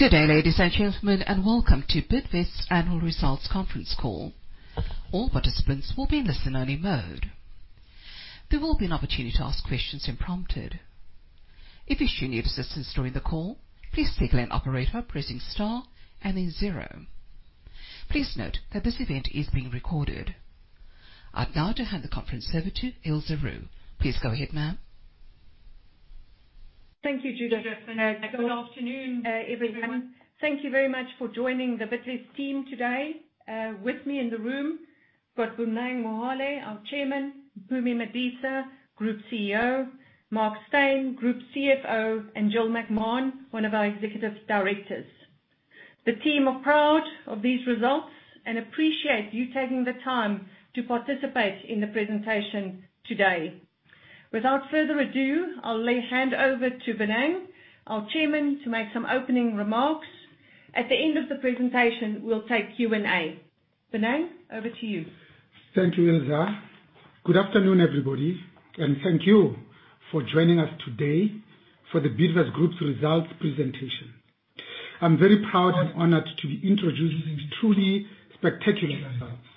Good day, ladies and gentlemen, welcome to Bidvest Annual Results Conference Call. All participants will be in listen-only mode. There will be an opportunity to ask questions when prompted. If you should need assistance during the call, please signal an operator by pressing Star and then zero. Please note that this event is being recorded. I'd now to hand the conference over to Ilze Roux. Please go ahead, ma'am. Thank you, Judith. Good afternoon, everyone. Thank you very much for joining The Bidvest team today. With me in the room, we've got Bonang Mohale, our Chairman, Mpumi Madisa, Group CEO, Mark Steyn, Group CFO, and Gillian McMahon, one of our Executive Directors. The team are proud of these results and appreciate you taking the time to participate in the presentation today. Without further ado, I'll hand over to Bonang, our Chairman, to make some opening remarks. At the end of the presentation, we'll take Q&A. Bonang, over to you. Thank you, Ilse. Good afternoon, everybody, and thank you for joining us today for The Bidvest Group results presentation. I am very proud and honored to be introducing these truly spectacular results,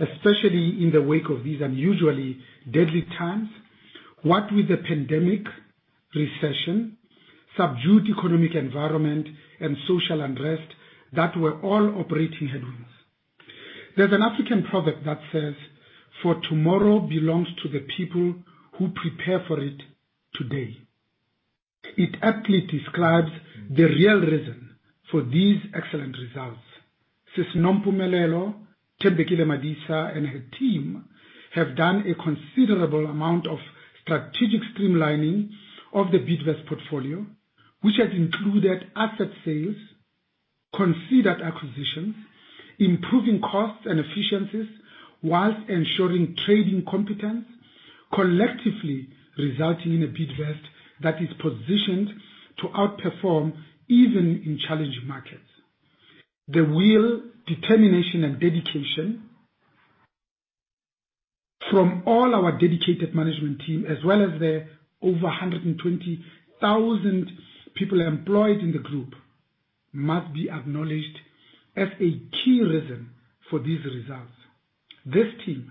especially in the wake of these unusually deadly times, what with the pandemic, recession, subdued economic environment, and social unrest that were all operating headwinds. There's an African proverb that says, "For tomorrow belongs to the people who prepare for it today." It aptly describes the real reason for these excellent results. Nompumelelo Thembekile Madisa and her team have done a considerable amount of strategic streamlining of the Bidvest portfolio, which has included asset sales, considered acquisitions, improving costs and efficiencies, while ensuring trading competence, collectively resulting in a Bidvest that is positioned to outperform even in challenging markets. The will, determination, and dedication from all our dedicated management team, as well as the over 120,000 people employed in the group, must be acknowledged as a key reason for these results. This team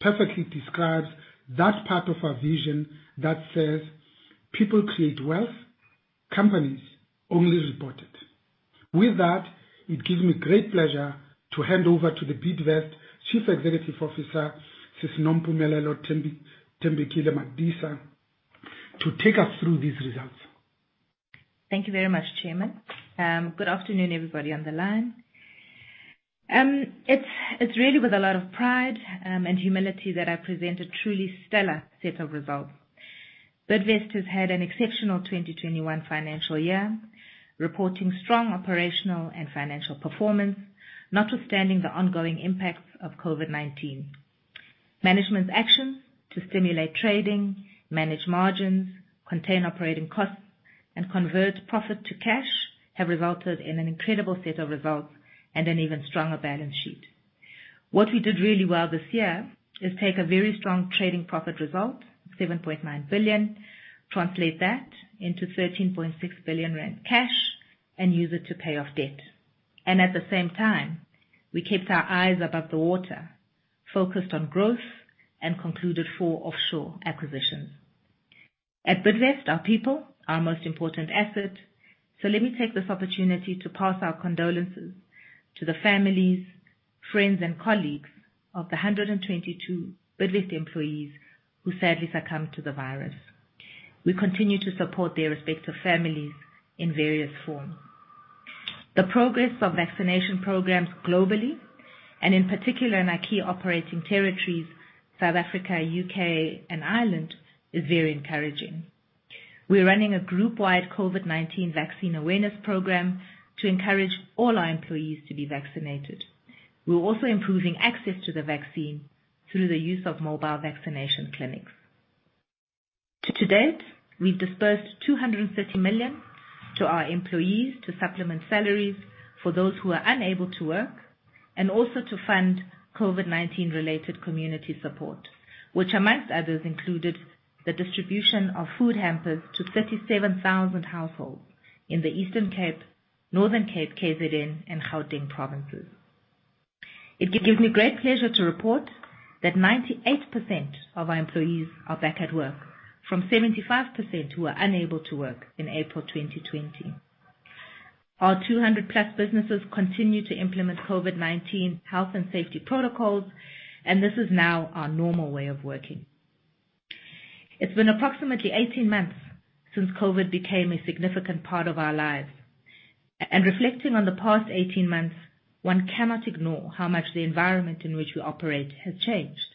perfectly describes that part of our vision that says, "People create wealth, companies only report it." With that, it gives me great pleasure to hand over to the Bidvest Chief Executive Officer, Nompumelelo Thembekile Madisa, to take us through these results. Thank you very much, Chairman. Good afternoon, everybody on the line. It's really with a lot of pride and humility that I present a truly stellar set of results. Bidvest has had an exceptional 2021 financial year, reporting strong operational and financial performance, notwithstanding the ongoing impacts of COVID-19. Management's actions to stimulate trading, manage margins, contain operating costs, and convert profit to cash have resulted in an incredible set of results and an even stronger balance sheet. What we did really well this year is take a very strong trading profit result, 7.9 billion, translate that into 13.6 billion rand cash, and use it to pay off debt. At the same time, we kept our eyes above the water, focused on growth, and concluded four offshore acquisitions. At Bidvest, our people are our most important asset. Let me take this opportunity to pass our condolences to the families, friends, and colleagues of the 122 Bidvest employees who sadly succumbed to the virus. We continue to support their respective families in various forms. The progress of vaccination programs globally, and in particular in our key operating territories, South Africa, U.K., and Ireland, is very encouraging. We're running a group-wide COVID-19 vaccine awareness program to encourage all our employees to be vaccinated. We're also improving access to the vaccine through the use of mobile vaccination clinics. To date, we've disbursed 230 million to our employees to supplement salaries for those who are unable to work, and also to fund COVID-19 related community support, which amongst others, included the distribution of food hampers to 37,000 households in the Eastern Cape, Northern Cape, KZN, and Gauteng provinces. It gives me great pleasure to report that 98% of our employees are back at work from 75% who were unable to work in April 2020. Our 200 plus businesses continue to implement COVID-19 health and safety protocols, and this is now our normal way of working. It's been approximately 18 months since COVID became a significant part of our lives. Reflecting on the past 18 months, one cannot ignore how much the environment in which we operate has changed,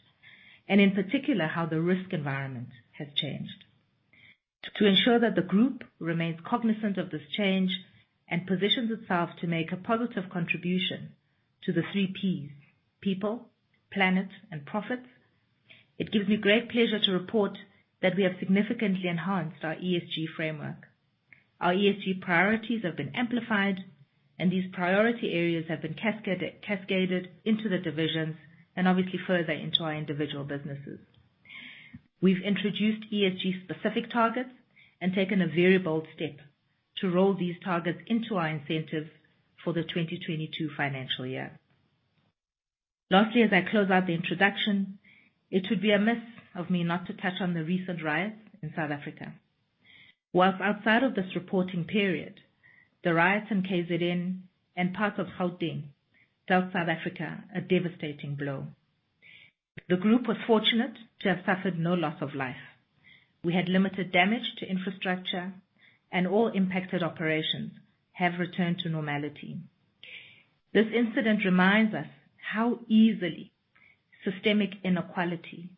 and in particular, how the risk environment has changed. To ensure that the group remains cognizant of this change and positions itself to make a positive contribution to the three Ps, people, planet, and profits, it gives me great pleasure to report that we have significantly enhanced our ESG framework. Our ESG priorities have been amplified, and these priority areas have been cascaded into the divisions and obviously further into our individual businesses. We've introduced ESG specific targets and taken a very bold step to roll these targets into our incentives for the 2022 financial year. Lastly, as I close out the introduction, it would be amiss of me not to touch on the recent riots in South Africa. Whilst outside of this reporting period, the riots in KZN and parts of Gauteng dealt South Africa a devastating blow. The group was fortunate to have suffered no loss of life. We had limited damage to infrastructure, and all impacted operations have returned to normality. This incident reminds us how easily systemic inequality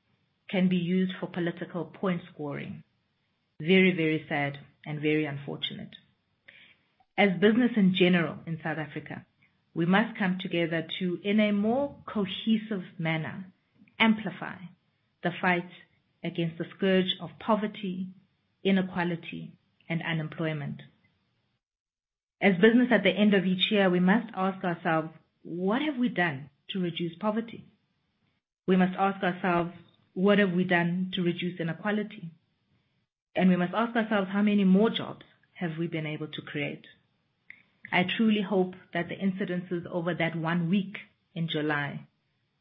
can be used for political point scoring. Very, very sad and very unfortunate. As business in general in South Africa, we must come together to, in a more cohesive manner, amplify the fight against the scourge of poverty, inequality, and unemployment. As business at the end of each year, we must ask ourselves, what have we done to reduce poverty? We must ask ourselves, what have we done to reduce inequality? We must ask ourselves, how many more jobs have we been able to create? I truly hope that the incidences over that one week in July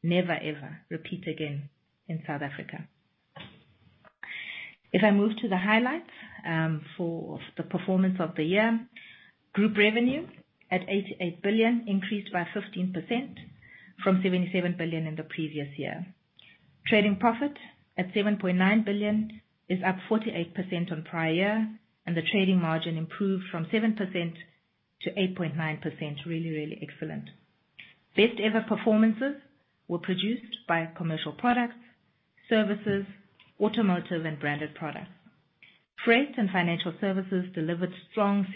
never ever repeat again in South Africa. If I move to the highlights for the performance of the year, group revenue at 88 billion increased by 15% from 77 billion in the previous year. Trading profit at 7.9 billion is up 48% on prior year, and the trading margin improved from 7% to 8.9%. Really excellent. Best ever performances were produced by commercial products, services, automotive, and branded products. Freight and financial services delivered strong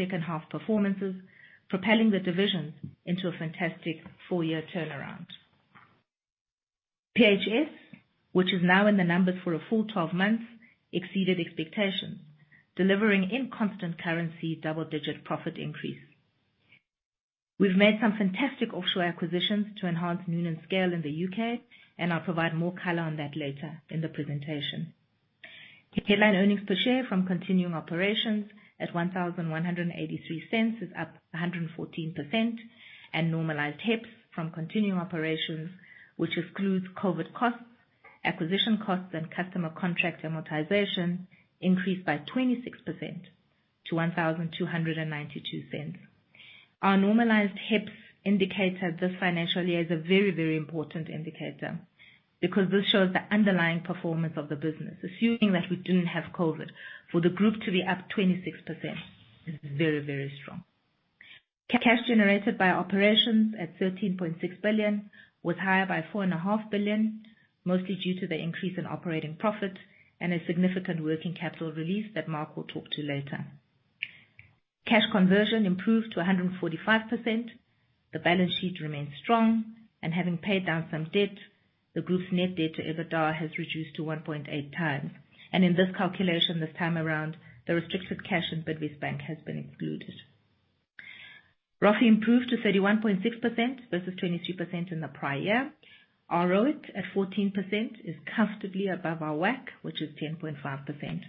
four-year turnaround. PHS, which is now in the numbers for a full 12 months, exceeded expectations, delivering in constant currency double-digit profit increase. We've made some fantastic offshore acquisitions to enhance Noonan's scale in the U.K., I'll provide more color on that later in the presentation. Headline earnings per share from continuing operations at 11.83 is up 114%, and normalized HEPS from continuing operations, which excludes COVID costs, acquisition costs, and customer contract amortization, increased by 26% to 12.92. Our normalized HEPS indicator this financial year is a very important indicator because this shows the underlying performance of the business, assuming that we didn't have COVID. For the group to be up 26% is very strong. Cash generated by operations at 13.6 billion was higher by 4.5 billion, mostly due to the increase in operating profit and a significant working capital release that Mark will talk to later. Cash conversion improved to 145%. The balance sheet remains strong, and having paid down some debt, the group's net debt to EBITDA has reduced to 1.8x. In this calculation, this time around, the restricted cash in Bidvest Bank has been excluded. ROIC improved to 31.6% versus 23% in the prior year. Our ROIC at 14% is comfortably above our WACC, which is 10.5%.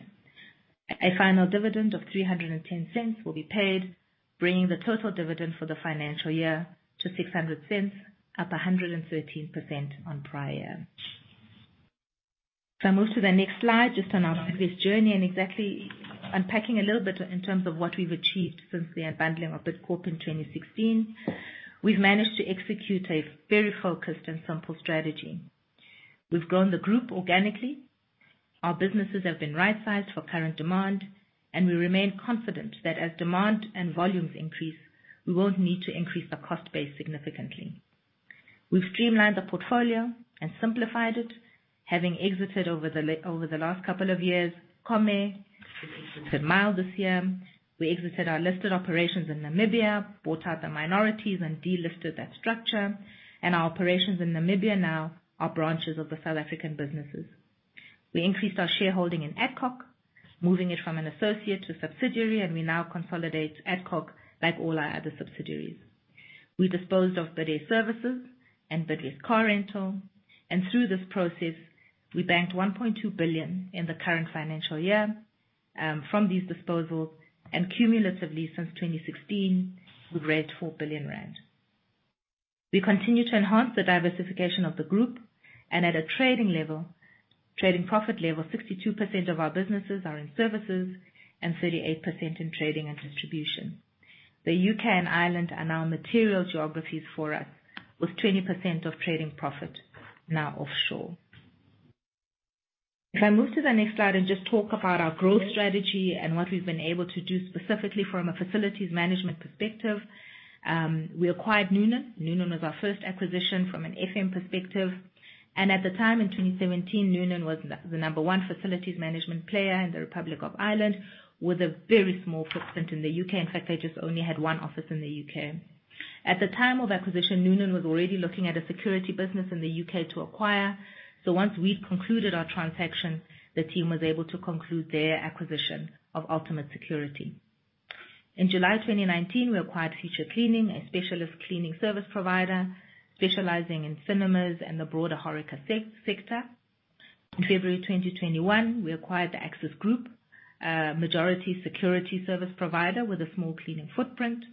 A final dividend of 3.10 will be paid, bringing the total dividend for the financial year to 6.00, up 113% on prior year. If I move to the next slide, just on our Bidvest journey and exactly unpacking a little bit in terms of what we've achieved since the unbundling of Bidcorp in 2016. We've managed to execute a very focused and simple strategy. We've grown the group organically. Our businesses have been right-sized for current demand, and we remain confident that as demand and volumes increase, we won't need to increase the cost base significantly. We've streamlined the portfolio and simplified it. Having exited over the last couple of years, Comair, Tidmile this year. We exited our listed operations in Namibia, bought out the minorities, and delisted that structure. Our operations in Namibia now are branches of the South African businesses. We increased our shareholding in Adcock, moving it from an associate to a subsidiary, and we now consolidate Adcock like all our other subsidiaries. We disposed of Bidvest Services and Bidvest Car Rental. Through this process, we banked $1.2 billion in the current financial year, from these disposals, cumulatively since 2016, we've raised 4 billion rand. We continue to enhance the diversification of the group. At a trading profit level, 62% of our businesses are in services and 38% in trading and distribution. The U.K. and Ireland are now material geographies for us, with 20% of trading profit now offshore. If I move to the next slide, just talk about our growth strategy and what we've been able to do specifically from a facilities management perspective. We acquired Noonan. Noonan was our first acquisition from an FM perspective. At the time in 2017, Noonan was the number one facilities management player in the Republic of Ireland with a very small footprint in the U.K. In fact, they just only had one office in the U.K. At the time of acquisition, Noonan was already looking at a security business in the U.K. to acquire. Once we concluded our transaction, the team was able to conclude their acquisition of Ultimate Security. In July 2019, we acquired Future Cleaning, a specialist cleaning service provider specializing in cinemas and the broader HORECA sector. In February 2021, we acquired the Axis Group, a majority security service provider with a small cleaning footprint.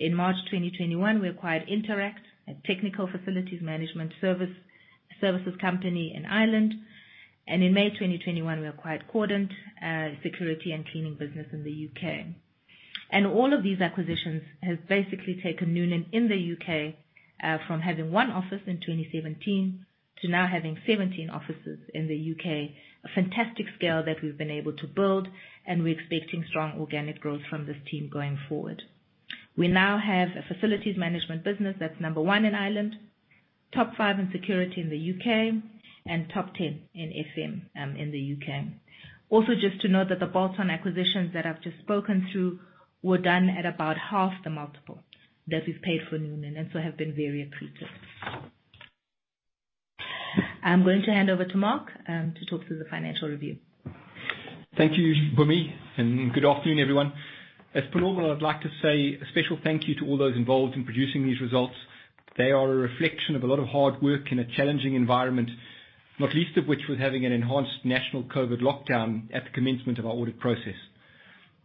In March 2021, we acquired Interact, a technical facilities management services company in Ireland. In May 2021, we acquired Cordant, a security and cleaning business in the U.K. All of these acquisitions have basically taken Noonan in the U.K. from having 1 office in 2017 to now having 17 offices in the U.K., a fantastic scale that we've been able to build, and we're expecting strong organic growth from this team going forward. We now have a facilities management business that's number 1 in Ireland, top 5 in security in the U.K. and top 10 in FM in the U.K. Just to note that the bolt-on acquisitions that I've just spoken through were done at about half the multiple that we've paid for Noonan, and so have been very accretive. I'm going to hand over to Mark to talk through the financial review. Thank you, Mpumi, and good afternoon, everyone. As per normal, I'd like to say a special thank you to all those involved in producing these results. They are a reflection of a lot of hard work in a challenging environment, not least of which was having an enhanced national COVID lockdown at the commencement of our audit process.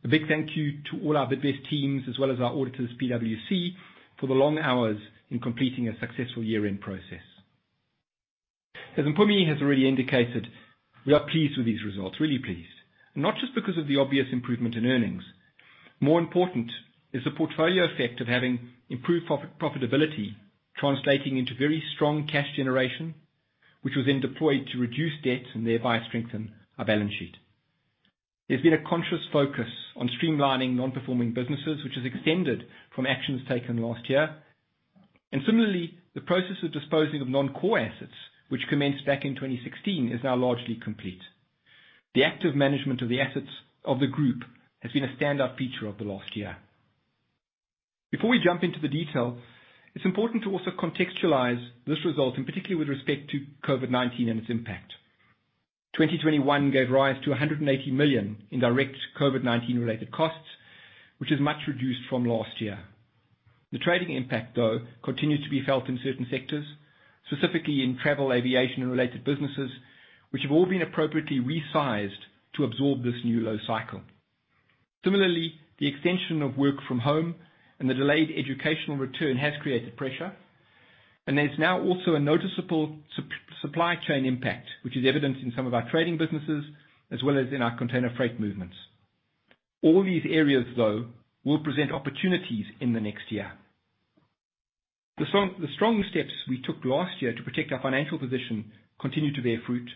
A big thank you to all our Bidvest teams as well as our auditors, PwC, for the long hours in completing a successful year-end process. As Mpumi has already indicated, we are pleased with these results, really pleased, not just because of the obvious improvement in earnings. More important is the portfolio effect of having improved profitability translating into very strong cash generation, which was then deployed to reduce debt and thereby strengthen our balance sheet. There's been a conscious focus on streamlining non-performing businesses, which has extended from actions taken last year. Similarly, the process of disposing of non-core assets, which commenced back in 2016, is now largely complete. The active management of the assets of the group has been a standout feature of the last year. Before we jump into the detail, it's important to also contextualize this result, and particularly with respect to COVID-19 and its impact. 2021 gave rise to 180 million in direct COVID-19 related costs, which is much reduced from last year. The trading impact, though, continues to be felt in certain sectors, specifically in travel, aviation, and related businesses, which have all been appropriately resized to absorb this new low cycle. Similarly, the extension of work from home and the delayed educational return has created pressure, and there's now also a noticeable supply chain impact, which is evident in some of our trading businesses as well as in our container freight movements. All these areas, though, will present opportunities in the next year. The strong steps we took last year to protect our financial position continue to bear fruit.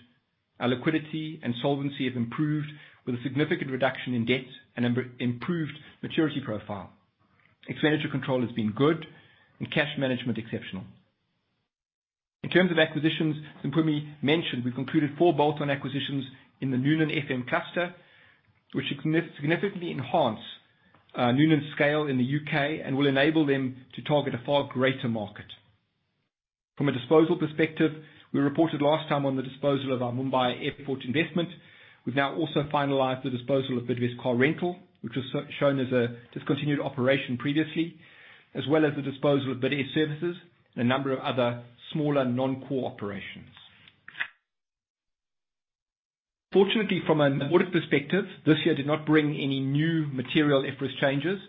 Our liquidity and solvency have improved with a significant reduction in debt and improved maturity profile. Expenditure control has been good and cash management exceptional. In terms of acquisitions, as Mpumi mentioned, we concluded four bolt-on acquisitions in the Noonan FM cluster, which significantly enhance Noonan's scale in the U.K. and will enable them to target a far greater market. From a disposal perspective, we reported last time on the disposal of our Mumbai airport investment. We've now also finalized the disposal of Bidvest Car Rental, which was shown as a discontinued operation previously, as well as the disposal of Bidvest Services and a number of other smaller non-core operations. Fortunately, from an audit perspective, this year did not bring any new material IFRS changes.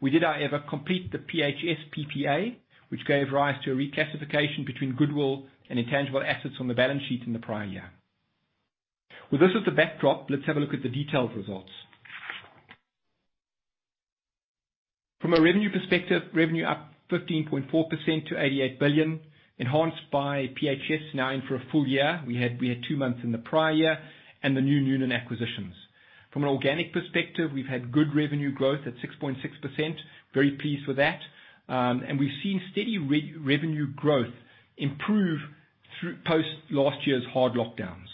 We did, however, complete the PHS PPA, which gave rise to a reclassification between goodwill and intangible assets on the balance sheet in the prior year. With this as the backdrop, let's have a look at the detailed results. From a revenue perspective, revenue up 15.4% to 88 billion, enhanced by PHS now in for a full year, we had 2 months in the prior year and the new Newland acquisitions. From an organic perspective, we've had good revenue growth at 6.6%, very pleased with that. We've seen steady revenue growth improve post last year's hard lockdowns.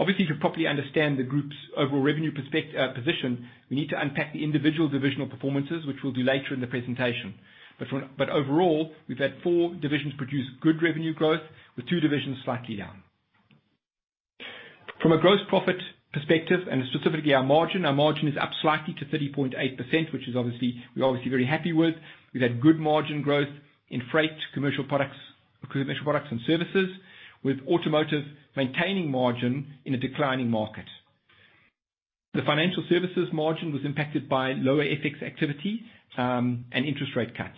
To properly understand the group's overall revenue position, we need to unpack the individual divisional performances, which we'll do later in the presentation. Overall, we've had four divisions produce good revenue growth with two divisions slightly down. From a gross profit perspective and specifically our margin, our margin is up slightly to 30.8%, which we're obviously very happy with. We've had good margin growth in Freight, Commercial Products, and Services, with Automotive maintaining margin in a declining market. The Financial Services margin was impacted by lower FX activity, and interest rate cuts.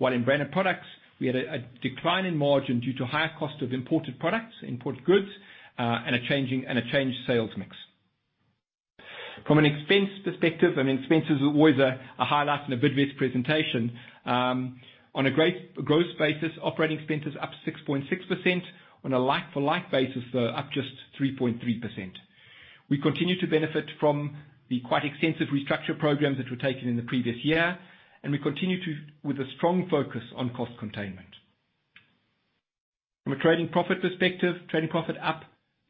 In Branded Products, we had a decline in margin due to higher cost of imported products, imported goods, and a changed sales mix. From an expense perspective, expense is always a highlight in a Bidvest presentation. On a growth basis, operating expense is up 6.6%. On a like-for-like basis, though, up just 3.3%. We continue to benefit from the quite extensive restructure programs that were taken in the previous year, and we continue with a strong focus on cost containment. From a trading profit perspective, trading profit up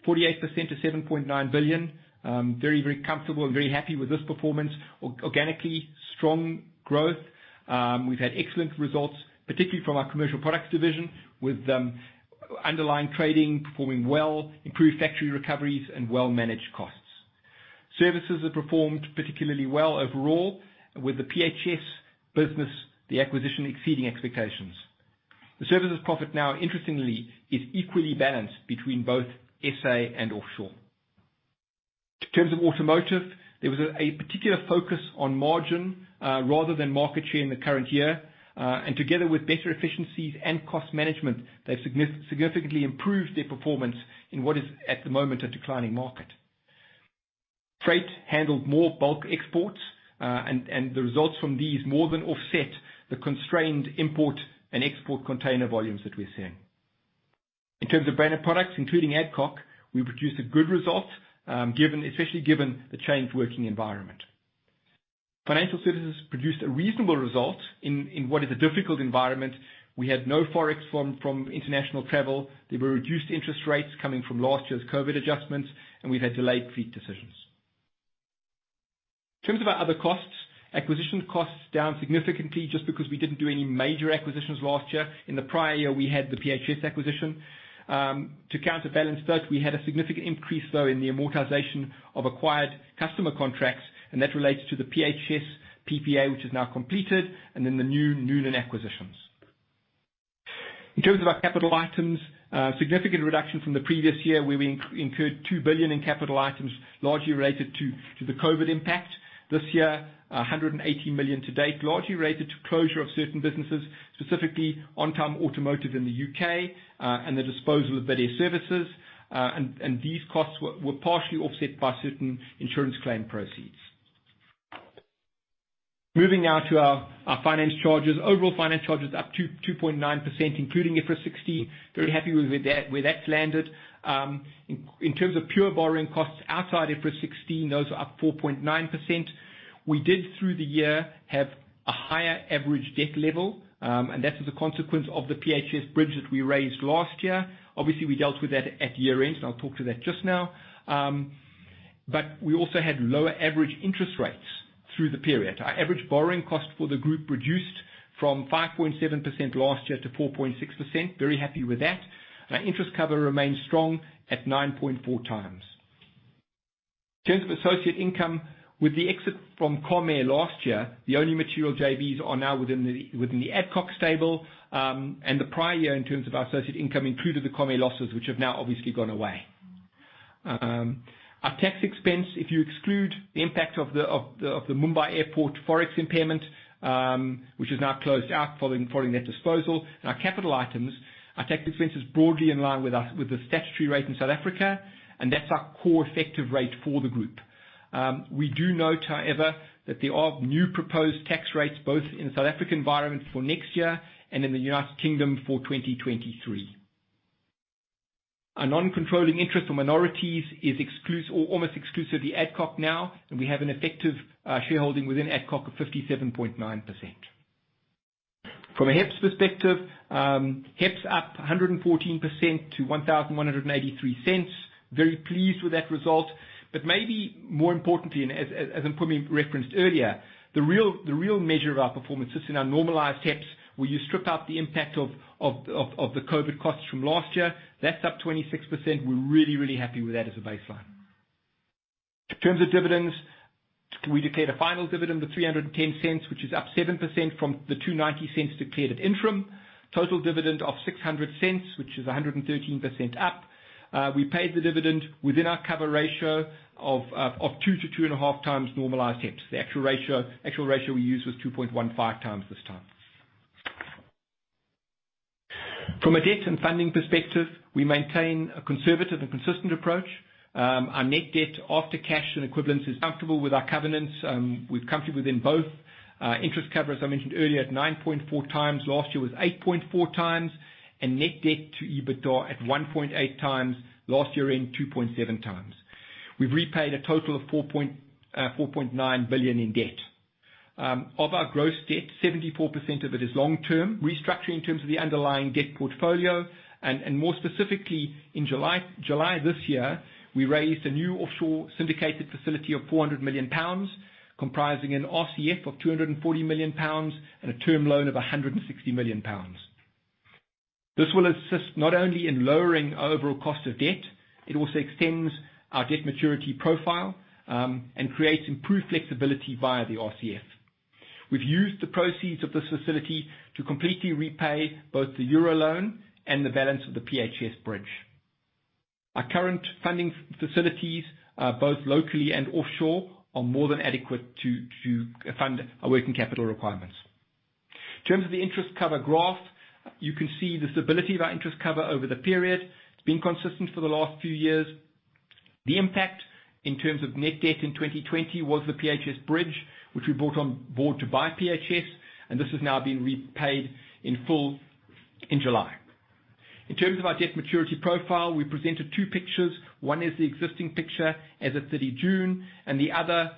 48% to 7.9 billion. Very, very comfortable and very happy with this performance. Organically, strong growth. We've had excellent results, particularly from our Commercial Products division with underlying trading performing well, improved factory recoveries, and well-managed costs. Services have performed particularly well overall with the PHS Group, the acquisition exceeding expectations. The services profit now, interestingly, is equally balanced between both SA and offshore. In terms of automotive, there was a particular focus on margin rather than market share in the current year. Together with better efficiencies and cost management, they've significantly improved their performance in what is, at the moment, a declining market. Freight handled more bulk exports, and the results from these more than offset the constrained import and export container volumes that we're seeing. In terms of banner products, including Adcock, we produced a good result, especially given the changed working environment. Financial services produced a reasonable result in what is a difficult environment. We had no Forex from international travel. There were reduced interest rates coming from last year's COVID-19 adjustments, and we've had delayed fleet decisions. In terms of our other costs, acquisition costs down significantly just because we didn't do any major acquisitions last year. In the prior year, we had the PHS acquisition. To counterbalance that, we had a significant increase, though, in the amortization of acquired customer contracts, and that relates to the PHS PPA, which is now completed, and then the new Noonan acquisitions. In terms of our capital items, a significant reduction from the previous year where we incurred 2 billion in capital items largely related to the COVID-19 impact. This year, 180 million to date, largely related to closure of certain businesses, specifically On Time Automotive in the U.K., and the disposal of BidAir Services. These costs were partially offset by certain insurance claim proceeds. Moving now to our finance charges. Overall finance charges up 2.9%, including IFRS 16. Very happy with where that's landed. In terms of pure borrowing costs outside IFRS 16, those are up 4.9%. We did, through the year, have a higher average debt level, and that was a consequence of the PHS bridge that we raised last year. Obviously, we dealt with that at year-end, and I'll talk to that just now. We also had lower average interest rates through the period. Our average borrowing cost for the group reduced from 5.7% last year to 4.6%. Very happy with that. Our interest cover remains strong at 9.4 times. In terms of associate income, with the exit from Comair last year, the only material JVs are now within the Adcock stable. The prior year in terms of our associate income included the Comair losses, which have now obviously gone away. Our tax expense, if you exclude the impact of the Mumbai Airport Forex impairment, which is now closed out following that disposal and our capital items, our tax expense is broadly in line with the statutory rate in South Africa, and that's our core effective rate for the group. We do note, however, that there are new proposed tax rates both in the South African environment for next year and in the United Kingdom for 2023. Our non-controlling interest for minorities is almost exclusively Adcock now. We have an effective shareholding within Adcock of 57.9%. From a HEPS perspective, HEPS up 114% to 11.83. Very pleased with that result. Maybe more importantly, and as I referenced earlier, the real measure of our performance is in our normalized HEPS, where you strip out the impact of the COVID costs from last year. That's up 26%. We're really happy with that as a baseline. In terms of dividends, we declared a final dividend of 3.10, which is up 7% from the 2.90 declared at interim. Total dividend of 6.00, which is 113% up. We paid the dividend within our cover ratio of 2-2.5x normalized HEPS. The actual ratio we used was 2.15x this time. From a debt and funding perspective, we maintain a conservative and consistent approach. Our net debt after cash and equivalents is comfortable with our covenants. We've come to within both interest cover, as I mentioned earlier, at 9.4x. Last year was 8.4x. Net debt to EBITDA at 1.8 times, last year end, 2.7x. We've repaid a total of 4.9 billion in debt. Of our gross debt, 74% of it is long-term. Restructuring in terms of the underlying debt portfolio, more specifically in July this year, we raised a new offshore syndicated facility of £400 million, comprising an RCF of £240 million and a term loan of £160 million. This will assist not only in lowering our overall cost of debt, it also extends our debt maturity profile, and creates improved flexibility via the RCF. We've used the proceeds of this facility to completely repay both the EUR loan and the balance of the PHS bridge. Our current funding facilities, both locally and offshore, are more than adequate to fund our working capital requirements. In terms of the interest cover graph, you can see the stability of our interest cover over the period. It's been consistent for the last few years. The impact in terms of net debt in 2020 was the PHS bridge, which we brought on board to buy PHS, and this has now been repaid in full in July. In terms of our debt maturity profile, we presented two pictures. One is the existing picture as at 30 June, and the other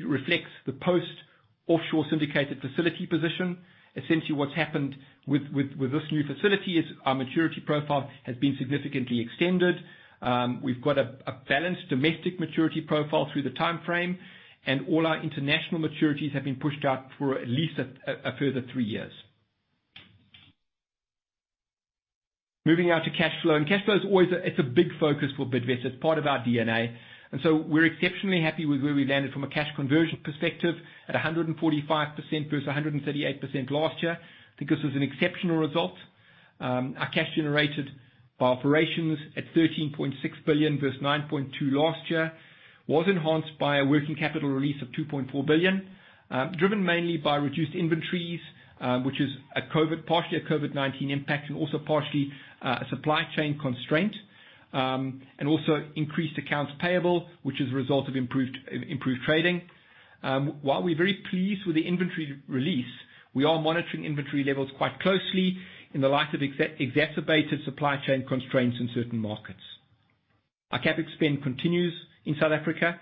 reflects the post-offshore syndicated facility position. Essentially, what's happened with this new facility is our maturity profile has been significantly extended. We've got a balanced domestic maturity profile through the timeframe, and all our international maturities have been pushed out for at least a further three years. Moving now to cash flow. Cash flow, it's a big focus for Bidvest. It's part of our DNA. We're exceptionally happy with where we landed from a cash conversion perspective, at 145% versus 138% last year. I think this is an exceptional result. Our cash generated by operations at 13.6 billion versus 9.2 billion last year, was enhanced by a working capital release of 2.4 billion, driven mainly by reduced inventories, which is partially a COVID-19 impact, and also partially a supply chain constraint. Increased accounts payable, which is a result of improved trading. While we're very pleased with the inventory release, we are monitoring inventory levels quite closely in the light of exacerbated supply chain constraints in certain markets. Our CapEx spend continues in South Africa.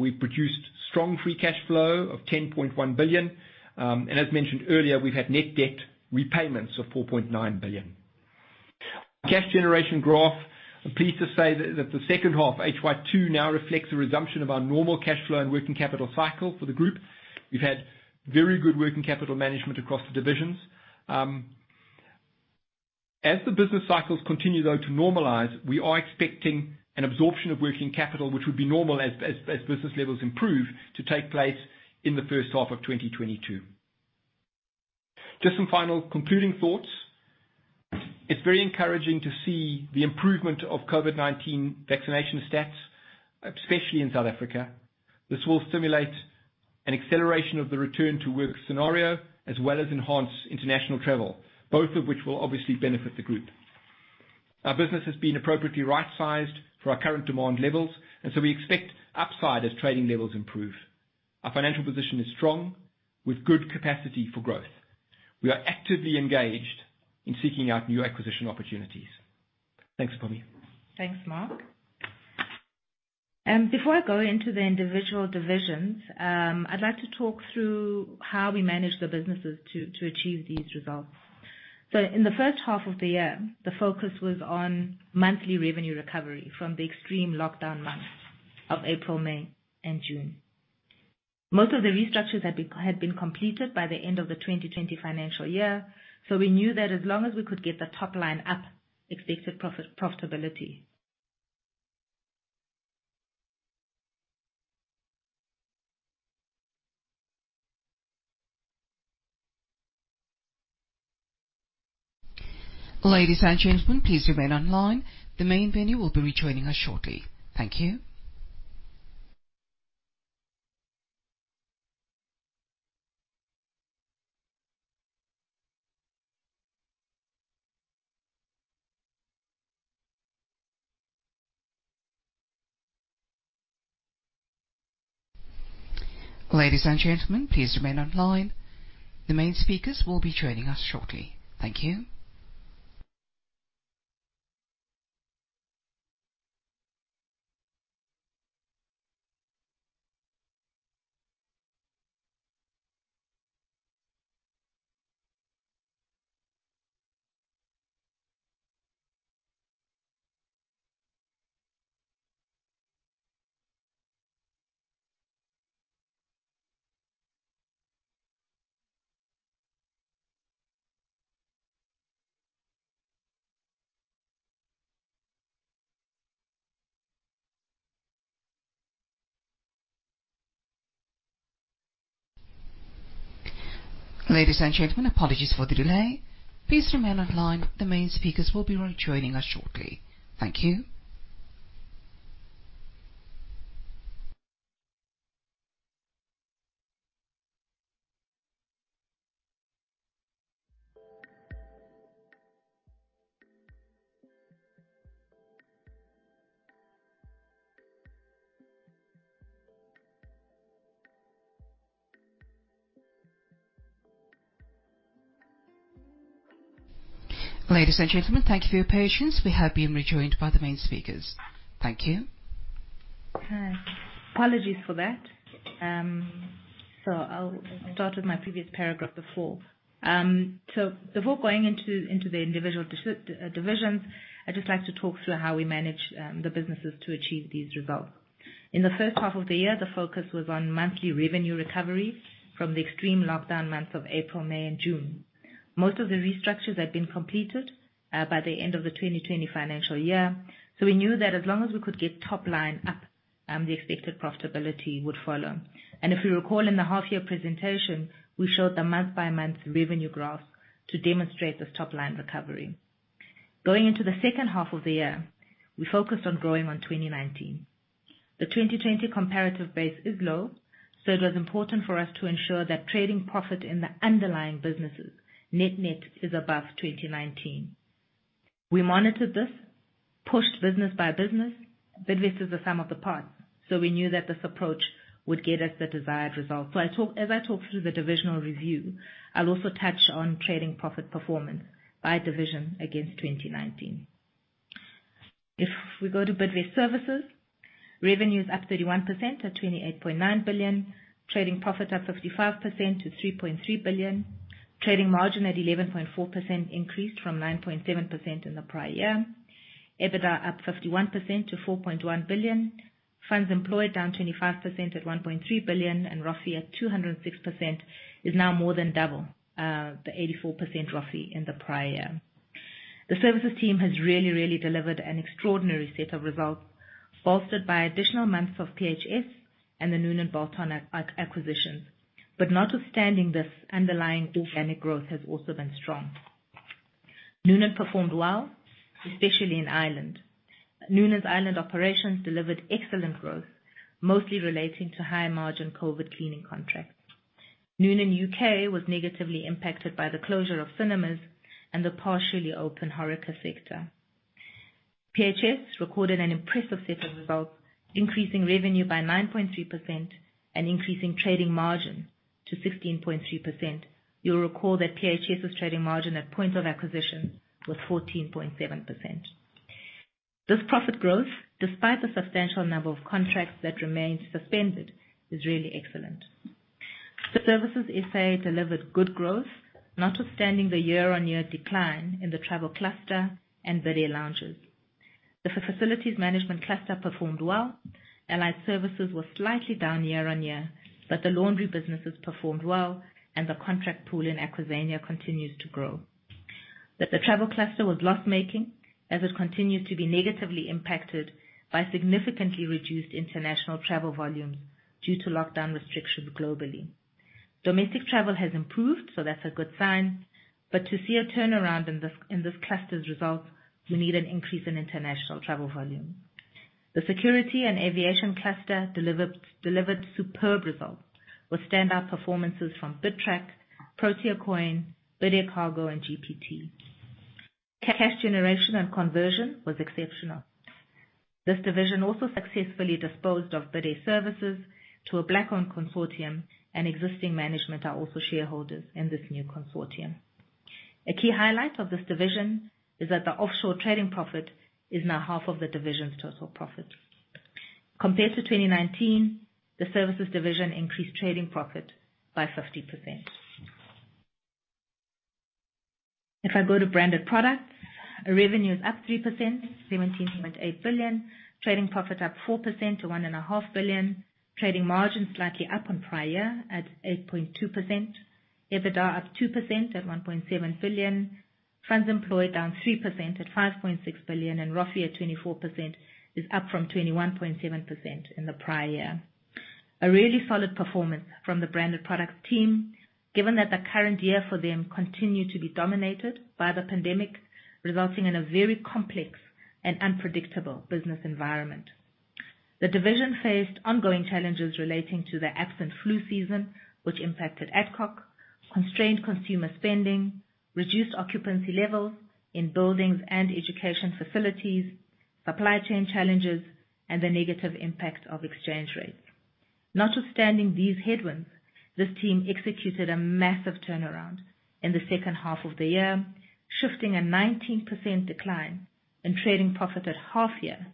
We've produced strong free cash flow of 10.1 billion. As mentioned earlier, we've had net debt repayments of 4.9 billion. Cash generation growth, I'm pleased to say that the second half, HY2, now reflects a resumption of our normal cash flow and working capital cycle for the group. We've had very good working capital management across the divisions. The business cycles continue, though, to normalize, we are expecting an absorption of working capital, which would be normal as business levels improve to take place in the first half of 2022. Just some final concluding thoughts. It's very encouraging to see the improvement of COVID-19 vaccination stats, especially in South Africa. This will stimulate an acceleration of the return to work scenario, as well as enhance international travel, both of which will obviously benefit the group. Our business has been appropriately right-sized for our current demand levels, we expect upside as trading levels improve. Our financial position is strong with good capacity for growth. We are actively engaged in seeking out new acquisition opportunities. Thanks, Mpumi Madisa. Thanks, Mark. Before I go into the individual divisions, I'd like to talk through how we manage the businesses to achieve these results. In the 1st half of the year, the focus was on monthly revenue recovery from the extreme lockdown months of April, May, and June. Most of the restructures had been completed by the end of the 2020 financial year, so we knew that as long as we could get the top line up, expected profitability. Ladies and gentlemen, please remain online. The main venue will be rejoining us shortly. Thank you. Ladies and gentlemen, please remain online. The main speakers will be joining us shortly. Thank you. Ladies and gentlemen, apologies for the delay. Please remain online. The main speakers will be joining us shortly. Thank you. Ladies and gentlemen, thank you for your patience. We have been rejoined by the main speakers. Thank you. Apologies for that. I'll start with my previous paragraph before. Before going into the individual divisions, I'd just like to talk through how we manage the businesses to achieve these results. In the 1st half of the year, the focus was on monthly revenue recovery from the extreme lockdown months of April, May, and June. Most of the restructures had been completed by the end of the 2020 financial year, so we knew that as long as we could get top line up, the expected profitability would follow. If you recall in the half-year presentation, we showed the month-by-month revenue graph to demonstrate this top line recovery. Going into the 2nd half of the year, we focused on growing on 2019. The 2020 comparative base is low, so it was important for us to ensure that trading profit in the underlying businesses net-net is above 2019. We monitored this, pushed business by business. Bidvest is the sum of the parts, we knew that this approach would get us the desired results. As I talk through the divisional review, I'll also touch on trading profit performance by division against 2019. If we go to Bidvest Services, revenue is up 31% at 28.9 billion, trading profit up 55% to 3.3 billion, trading margin at 11.4% increased from 9.7% in the prior year. EBITDA up 51% to 4.1 billion. Funds employed down 25% at 1.3 billion, and ROFIE at 206% is now more than double the 84% ROFIE in the prior year. The services team has really delivered an extraordinary set of results, bolstered by additional months of PHS and the Noonan Bolton acquisitions. Notwithstanding this, underlying organic growth has also been strong. Noonan performed well, especially in Ireland. Noonan's Ireland operations delivered excellent growth, mostly relating to higher margin COVID cleaning contracts. Noonan U.K. was negatively impacted by the closure of cinemas and the partially open HORECA sector. PHS recorded an impressive set of results, increasing revenue by 9.3% and increasing trading margin to 16.3%. You'll recall that PHS's trading margin at point of acquisition was 14.7%. This profit growth, despite the substantial number of contracts that remains suspended, is really excellent. The Services SA delivered good growth, notwithstanding the year-on-year decline in the travel cluster and Bidvest lounges. The facilities management cluster performed well. Allied services were slightly down year-on-year, but the laundry businesses performed well, and the contract pool in Aquazania continues to grow. The travel cluster was loss-making as it continued to be negatively impacted by significantly reduced international travel volumes due to lockdown restrictions globally. Domestic travel has improved, so that's a good sign, but to see a turnaround in this cluster's results, you need an increase in international travel volume. The security and aviation cluster delivered superb results with standout performances from Bidtrack, Proteacoin, BidAir Cargo, and GPT. Cash generation and conversion was exceptional. This division also successfully disposed of BidAir Services to a black-owned consortium, and existing management are also shareholders in this new consortium. A key highlight of this division is that the offshore trading profit is now half of the division's total profit. Compared to 2019, the services division increased trading profit by 50%. If I go to Branded Products, revenue is up 3%, 17.8 billion, trading profit up 4% to 1.5 billion, trading margin slightly up on prior at 8.2%, EBITDA up 2% at 1.7 billion, funds employed down 3% at 5.6 billion, and ROFIE at 24% is up from 21.7% in the prior year. A really solid performance from the Branded Products team, given that the current year for them continued to be dominated by the pandemic, resulting in a very complex and unpredictable business environment. The division faced ongoing challenges relating to the absent flu season, which impacted Adcock, constrained consumer spending, reduced occupancy levels in buildings and education facilities, supply chain challenges, and the negative impact of exchange rates. Notwithstanding these headwinds, this team executed a massive turnaround in the second half of the year, shifting a 19% decline in trading profit at half year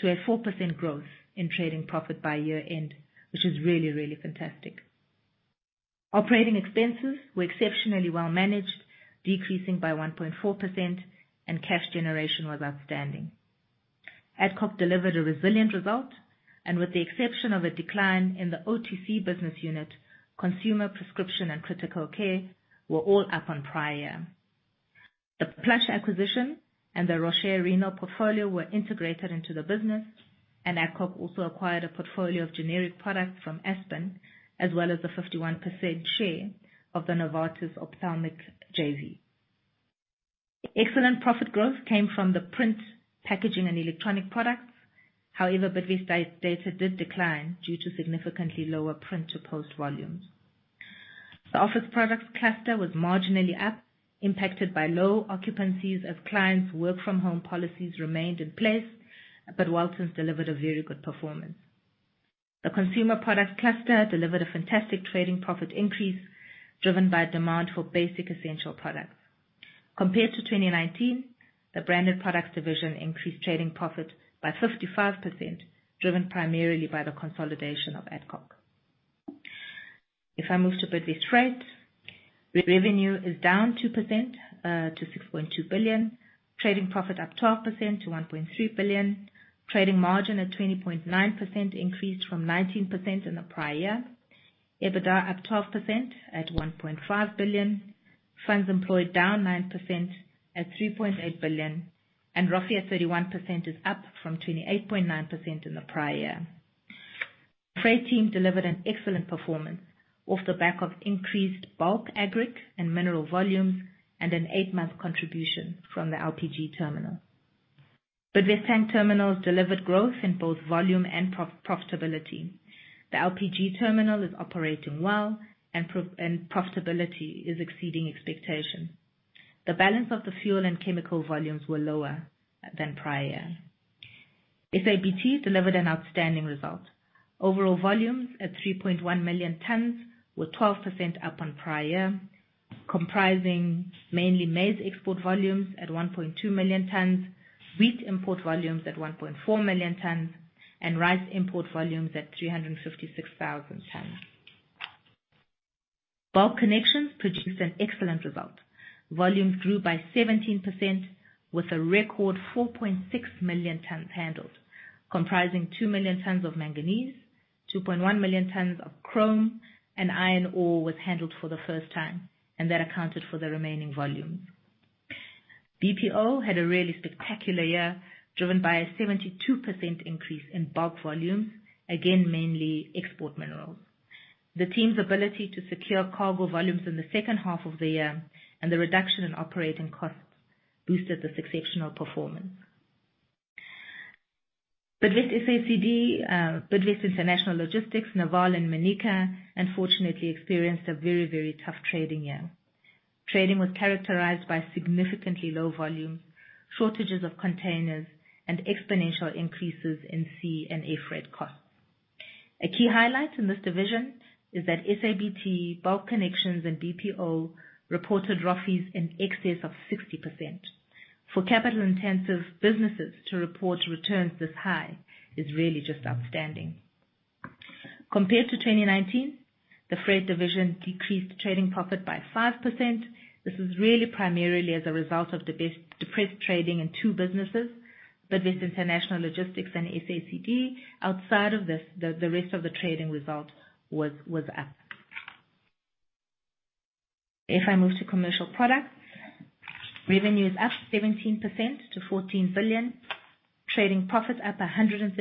to a 4% growth in trading profit by year-end, which is really, really fantastic. Operating expenses were exceptionally well managed, decreasing by 1.4%, and cash generation was outstanding. Adcock delivered a resilient result and with the exception of a decline in the OTC business unit, consumer prescription and critical care were all up on prior year. The Plush acquisition and the Roche Renal portfolio were integrated into the business, and Adcock also acquired a portfolio of generic products from Aspen, as well as the 51% share of the Novartis Ophthalmic JV. Excellent profit growth came from the print packaging and electronic products. Bidvest Data did decline due to significantly lower print to post volumes. The office products cluster was marginally up, impacted by low occupancies as clients work from home policies remained in place, but Waltons delivered a very good performance. The consumer product cluster delivered a fantastic trading profit increase driven by demand for basic essential products. Compared to 2019, the Branded Products division increased trading profit by 55%, driven primarily by the consolidation of Adcock. If I move to Bidvest Freight, revenue is down 2% to 6.2 billion, trading profit up 12% to 1.3 billion, trading margin at 20.9% increased from 19% in the prior year, EBITDA up 12% at 1.5 billion, funds employed down 9% at 3.8 billion, and ROFIE at 31% is up from 28.9% in the prior year. Freight team delivered an excellent performance off the back of increased bulk agric and mineral volumes and an eight-month contribution from the LPG terminal. Bidvest Tank Terminals delivered growth in both volume and profitability. The LPG terminal is operating well. Profitability is exceeding expectation. The balance of the fuel and chemical volumes were lower than prior year. SABT delivered an outstanding result. Overall volumes at 3.1 million tons were 12% up on prior year, comprising mainly maize export volumes at 1.2 million tons, wheat import volumes at 1.4 million tons, and rice import volumes at 356,000 tons. Bulk Connections produced an excellent result. Volumes grew by 17% with a record 4.6 million tons handled, comprising two million tons of manganese, 2.1 million tons of chrome, and iron ore was handled for the first time, and that accounted for the remaining volume. BPO had a really spectacular year, driven by a 72% increase in bulk volumes, again mainly export minerals. The team's ability to secure cargo volumes in the second half of the year and the reduction in operating costs boosted this exceptional performance. Bidvest SACD, Bidvest International Logistics, NAVAL and Manica unfortunately experienced a very tough trading year. Trading was characterized by significantly low volume, shortages of containers, and exponential increases in sea and air freight costs. A key highlight in this division is that SABT, Bulk Connections, and BPO reported ROFIs in excess of 60%. For capital-intensive businesses to report returns this high is really just outstanding. Compared to 2019, the freight division decreased trading profit by 5%. This is really primarily as a result of depressed trading in two businesses, Bidvest International Logistics and SACD. Outside of this, the rest of the trading result was up. If I move to commercial products, revenue is up 17% to 14 billion. Trading profit up 135%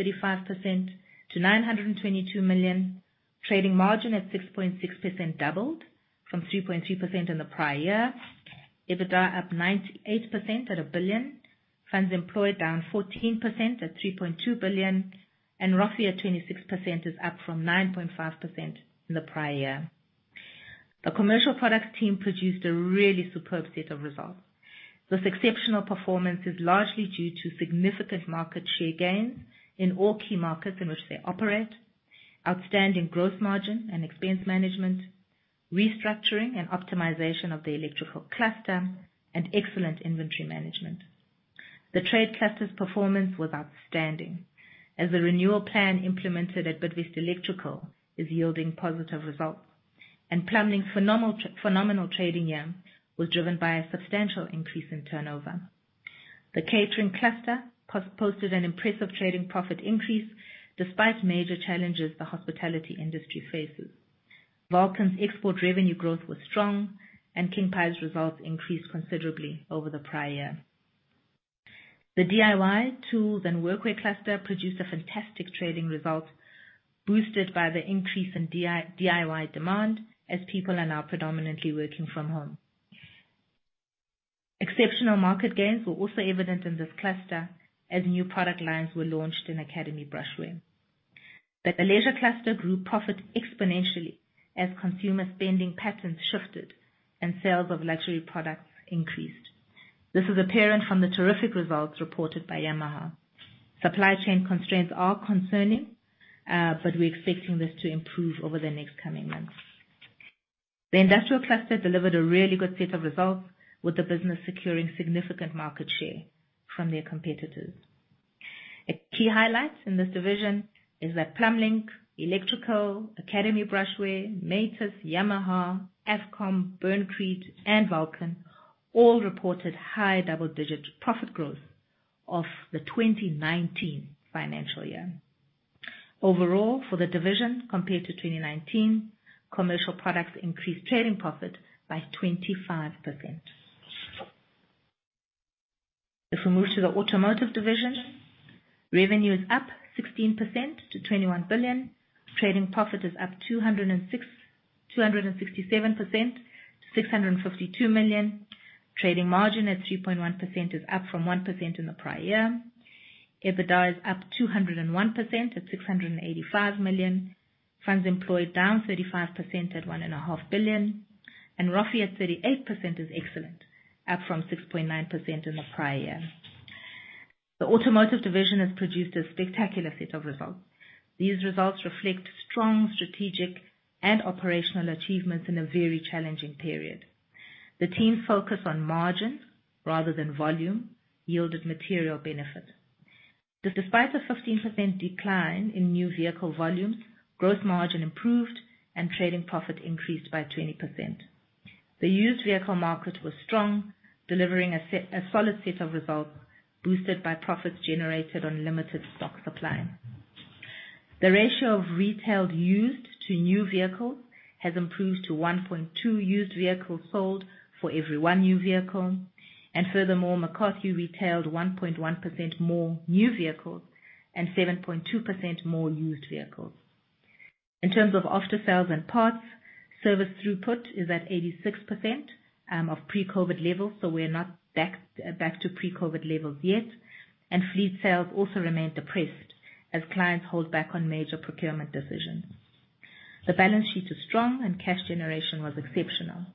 to 922 million. Trading margin at 6.6% doubled from 3.3% in the prior year. EBITDA up 98% at 1 billion. Funds employed down 14% at 3.2 billion, and ROFI at 26% is up from 9.5% in the prior year. The commercial products team produced a really superb set of results. This exceptional performance is largely due to significant market share gains in all key markets in which they operate, outstanding growth margin and expense management, restructuring and optimization of the electrical cluster, and excellent inventory management. The trade cluster's performance was outstanding as the renewal plan implemented at Bidvest Electrical is yielding positive results, and Plumblink's phenomenal trading year was driven by a substantial increase in turnover. The catering cluster posted an impressive trading profit increase despite major challenges the hospitality industry faces. Vulcan's export revenue growth was strong and King Hire's results increased considerably over the prior year. The DIY tools and Workwear cluster produced a fantastic trading result, boosted by the increase in DIY demand, as people are now predominantly working from home. Exceptional market gains were also evident in this cluster as new product lines were launched in Academy Brushware. The leisure cluster grew profit exponentially as consumer spending patterns shifted and sales of luxury products increased. This is apparent from the terrific results reported by Yamaha. Supply chain constraints are concerning, but we're expecting this to improve over the next coming months. The industrial cluster delivered a really good set of results with the business securing significant market share from their competitors. A key highlight in this division is that Plumblink, Electrical, Academy Brushware, Matus, Yamaha, Afcom, Burncrete, and Vulcan all reported high double-digit profit growth off the 2019 financial year. Overall, for the division compared to 2019, commercial products increased trading profit by 25%. If we move to the automotive division, revenue is up 16% to 21 billion. Trading profit is up 267% to 652 million. Trading margin at 3.1% is up from 1% in the prior year. EBITDA is up 201% at 685 million. Funds employed down 35% at 1.5 billion, and ROFI at 38% is excellent, up from 6.9% in the prior year. The automotive division has produced a spectacular set of results. These results reflect strong strategic and operational achievements in a very challenging period. The team's focus on margin rather than volume yielded material benefit. Despite a 15% decline in new vehicle volumes, growth margin improved and trading profit increased by 20%. The used vehicle market was strong, delivering a solid set of results boosted by profits generated on limited stock supply. The ratio of retailed used to new vehicles has improved to 1.2 used vehicles sold for every 1 new vehicle, and furthermore, McCarthy retailed 1.1% more new vehicles and 7.2% more used vehicles. In terms of aftersales and parts, service throughput is at 86% of pre-COVID-19 levels. We are not back to pre-COVID-19 levels yet. Fleet sales also remained depressed as clients hold back on major procurement decisions. The balance sheet is strong and cash generation was exceptional.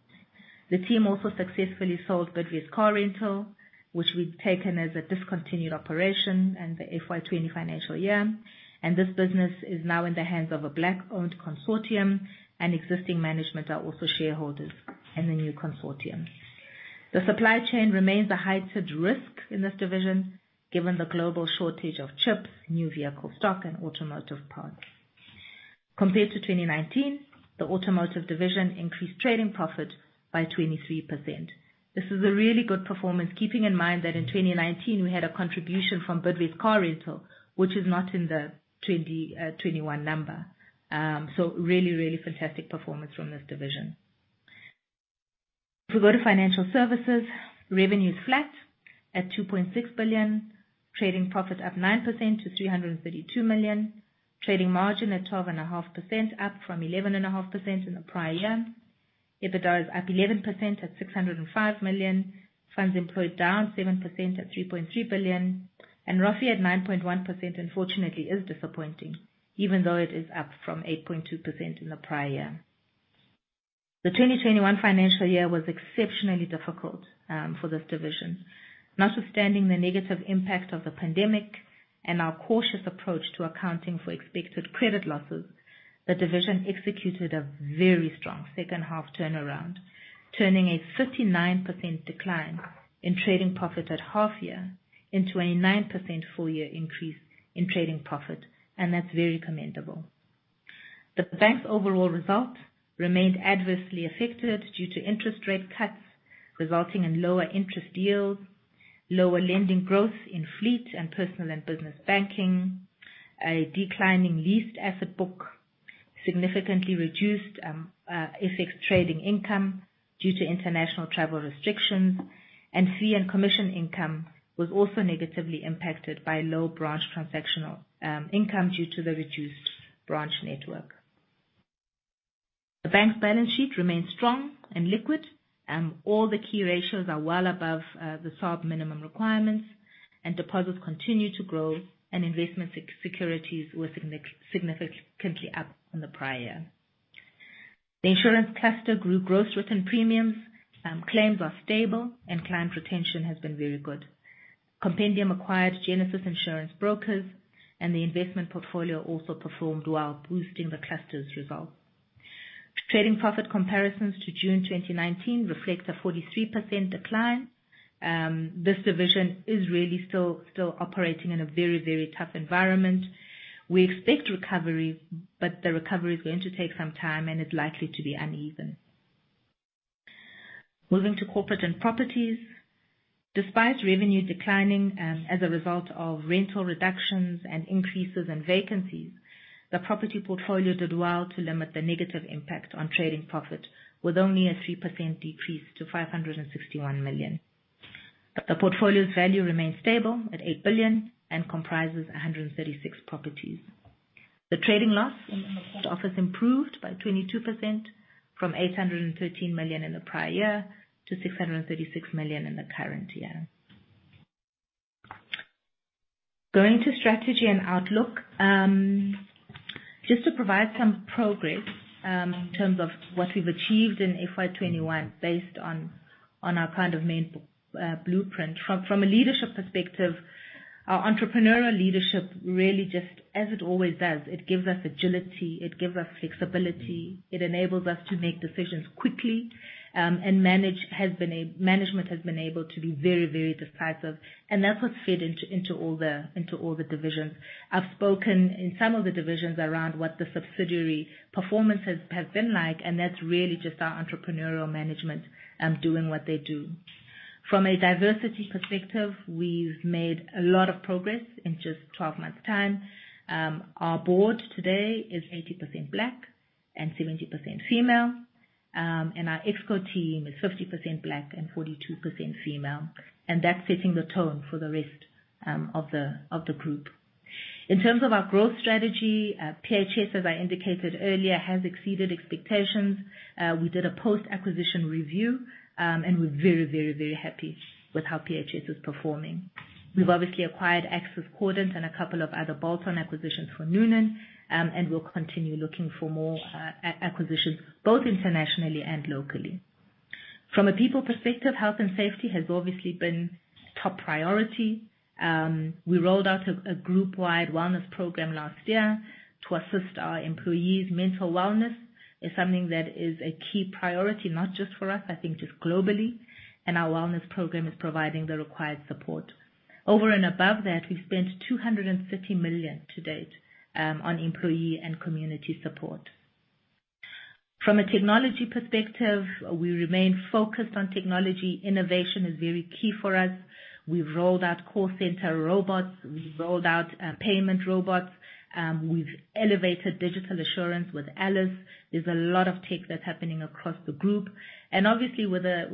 The team also successfully sold Bidvest Car Rental, which we'd taken as a discontinued operation in the FY 2020 financial year. This business is now in the hands of a Black-owned consortium, and existing management are also shareholders in the new consortium. The supply chain remains a heightened risk in this division, given the global shortage of chips, new vehicle stock, and automotive parts. Compared to 2019, the automotive division increased trading profit by 23%. This is a really good performance, keeping in mind that in 2019, we had a contribution from Bidvest Car Rental, which is not in the 2021 number. Really, really fantastic performance from this division. If we go to financial services, revenue is flat at 2.6 billion, trading profit up 9% to 332 million, trading margin at 12.5%, up from 11.5% in the prior year. EBITDA is up 11% at 605 million, funds employed down 7% at 3.3 billion, and ROAE at 9.1% unfortunately is disappointing, even though it is up from 8.2% in the prior year. The 2021 financial year was exceptionally difficult for this division. Notwithstanding the negative impact of the pandemic and our cautious approach to accounting for expected credit losses, the division executed a very strong second half turnaround, turning a 39% decline in trading profit at half year into a 9% full year increase in trading profit. That's very commendable. The bank's overall result remained adversely affected due to interest rate cuts, resulting in lower interest yields, lower lending growth in fleet and personal and business banking, a declining leased asset book, significantly reduced FX trading income due to international travel restrictions, and fee and commission income was also negatively impacted by low branch transactional income due to the reduced branch network. The bank's balance sheet remains strong and liquid. All the key ratios are well above the SARB minimum requirements, and deposits continue to grow, and investment securities were significantly up on the prior year. The insurance cluster grew gross written premiums. Claims are stable, and client retention has been very good. Compendium acquired Genesis Insurance Brokers, and the investment portfolio also performed well, boosting the cluster's results. Trading profit comparisons to June 2019 reflects a 43% decline. This division is really still operating in a very, very tough environment. We expect recovery, but the recovery is going to take some time and is likely to be uneven. Moving to corporate and properties. Despite revenue declining as a result of rental reductions and increases in vacancies, the property portfolio did well to limit the negative impact on trading profit, with only a 3% decrease to 561 million. The portfolio's value remains stable at 8 billion and comprises 136 properties. The trading loss in the fourth office improved by 22%, from 813 million in the prior year to 636 million in the current year. Going to strategy and outlook. Just to provide some progress in terms of what we've achieved in FY 2021 based on our main blueprint. From a leadership perspective, our entrepreneurial leadership really just, as it always does, it gives us agility, it gives us flexibility, it enables us to make decisions quickly, and management has been able to be very, very decisive, and that's what's fed into all the divisions. I've spoken in some of the divisions around what the subsidiary performance has been like, and that's really just our entrepreneurial management doing what they do. From a diversity perspective, we've made a lot of progress in just 12 months' time. Our board today is 80% Black and 70% female. Our exco team is 50% Black and 42% female. That's setting the tone for the rest of the group. In terms of our growth strategy, PHS, as I indicated earlier, has exceeded expectations. We did a post-acquisition review, and we're very happy with how PHS is performing. We've obviously acquired Axis, Cordant, and a couple of other bolt-on acquisitions for Noonan, and we'll continue looking for more acquisitions, both internationally and locally. From a people perspective, health and safety has obviously been top priority. We rolled out a group-wide wellness program last year to assist our employees. Mental wellness is something that is a key priority, not just for us, I think just globally, and our wellness program is providing the required support. Over and above that, we've spent 230 million to date on employee and community support. From a technology perspective, we remain focused on technology. Innovation is very key for us. We've rolled out call center robots. We've rolled out payment robots. We've elevated digital assurance with ALICE. There's a lot of tech that's happening across the group. Obviously with the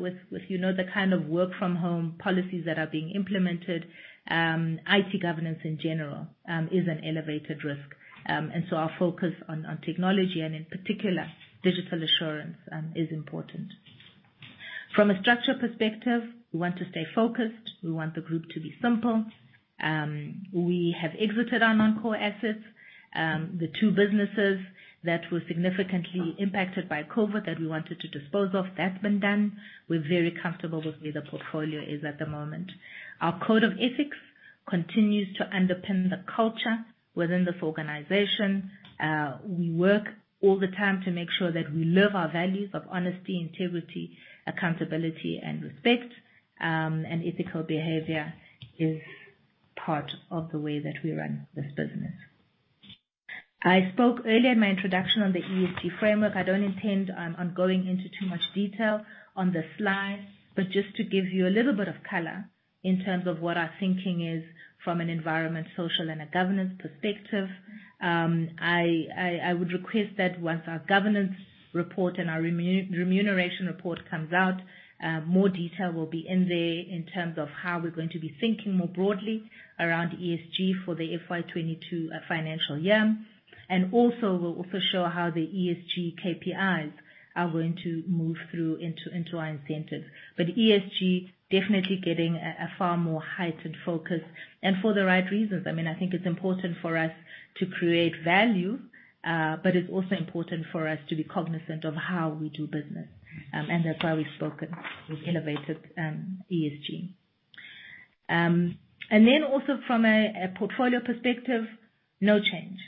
work from home policies that are being implemented, IT governance in general is an elevated risk. Our focus on technology, and in particular digital assurance, is important. From a structure perspective, we want to stay focused. We want the group to be simple. We have exited our non-core assets. The two businesses that were significantly impacted by COVID-19 that we wanted to dispose of, that's been done. We're very comfortable with where the portfolio is at the moment. Our code of ethics continues to underpin the culture within this organization. We work all the time to make sure that we live our values of honesty, integrity, accountability, and respect, and ethical behavior is part of the way that we run this business. I spoke earlier in my introduction on the ESG framework. I don't intend on going into too much detail on this slide, but just to give you a little bit of color in terms of what our thinking is from an environment, social, and a governance perspective. I would request that once our governance report and our remuneration report comes out, more detail will be in there in terms of how we're going to be thinking more broadly around ESG for the FY 2022 financial year. We'll also show how the ESG KPIs are going to move through into our incentives. ESG, definitely getting a far more heightened focus and for the right reasons. I think it's important for us to create value, but it's also important for us to be cognizant of how we do business. That's why we've spoken with elevated ESG. Then also from a portfolio perspective, no change.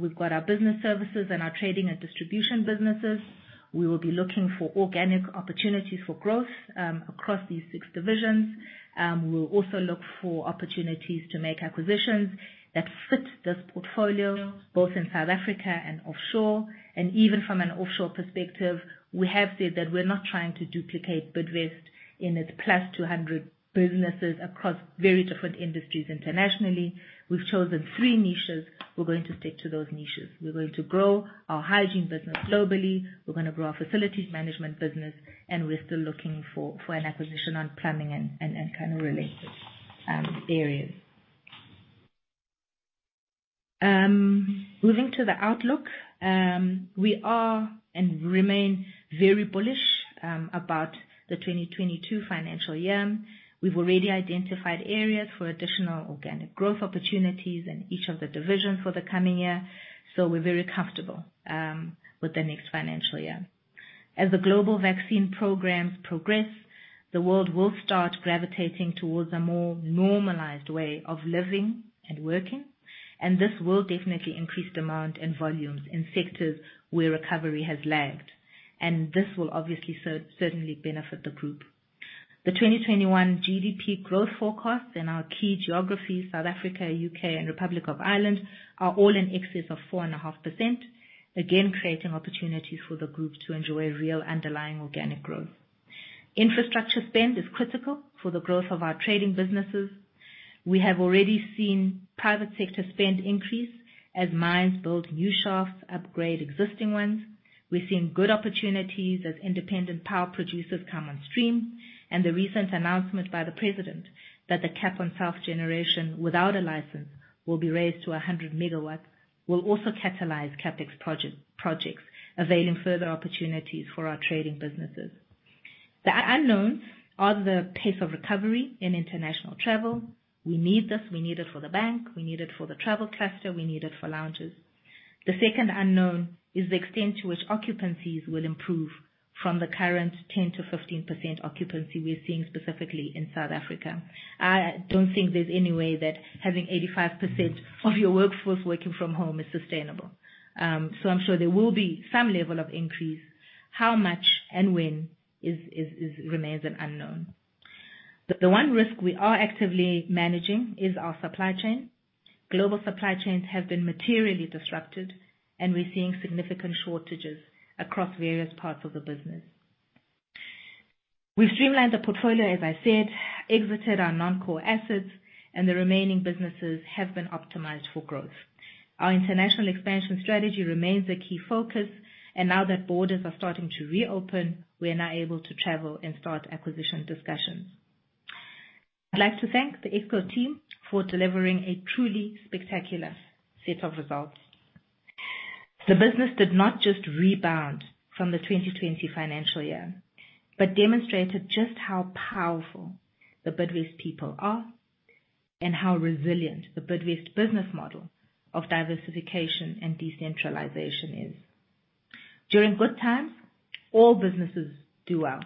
We've got our business services and our trading and distribution businesses. We will be looking for organic opportunities for growth, across these six divisions. We'll also look for opportunities to make acquisitions that fit this portfolio, both in South Africa and offshore. Even from an offshore perspective, we have said that we're not trying to duplicate Bidvest in its plus 200 businesses across very different industries internationally. We've chosen three niches. We're going to stick to those niches. We're going to grow our hygiene business globally. We're gonna grow our facilities management business, and we're still looking for an acquisition on plumbing and kind of related areas. Moving to the outlook. We are and remain very bullish about the 2022 financial year. We've already identified areas for additional organic growth opportunities in each of the divisions for the coming year. We're very comfortable with the next financial year. As the global vaccine programs progress, the world will start gravitating towards a more normalized way of living and working, and this will definitely increase demand and volumes in sectors where recovery has lagged. This will obviously certainly benefit the group. The 2021 GDP growth forecasts in our key geographies, South Africa, U.K., and Republic of Ireland, are all in excess of 4.5%, again, creating opportunities for the group to enjoy real underlying organic growth. Infrastructure spend is critical for the growth of our trading businesses. We have already seen private sector spend increase as mines build new shafts, upgrade existing ones. We're seeing good opportunities as independent power producers come on stream. The recent announcement by the President that the cap on self-generation without a license will be raised to 100 megawatts, will also catalyze CapEx projects, availing further opportunities for our trading businesses. The unknowns are the pace of recovery in international travel. We need this. We need it for the bank, we need it for the travel cluster, we need it for lounges. The second unknown is the extent to which occupancies will improve from the current 10%-15% occupancy we're seeing specifically in South Africa. I don't think there's any way that having 85% of your workforce working from home is sustainable. I'm sure there will be some level of increase. How much and when remains an unknown. The one risk we are actively managing is our supply chain. Global supply chains have been materially disrupted, and we're seeing significant shortages across various parts of the business. We've streamlined the portfolio, as I said, exited our non-core assets, and the remaining businesses have been optimized for growth. Our international expansion strategy remains a key focus, and now that borders are starting to reopen, we are now able to travel and start acquisition discussions. I'd like to thank the Exco team for delivering a truly spectacular set of results. The business did not just rebound from the 2020 financial year, but demonstrated just how powerful the Bidvest people are and how resilient the Bidvest business model of diversification and decentralization is. During good times, all businesses do well.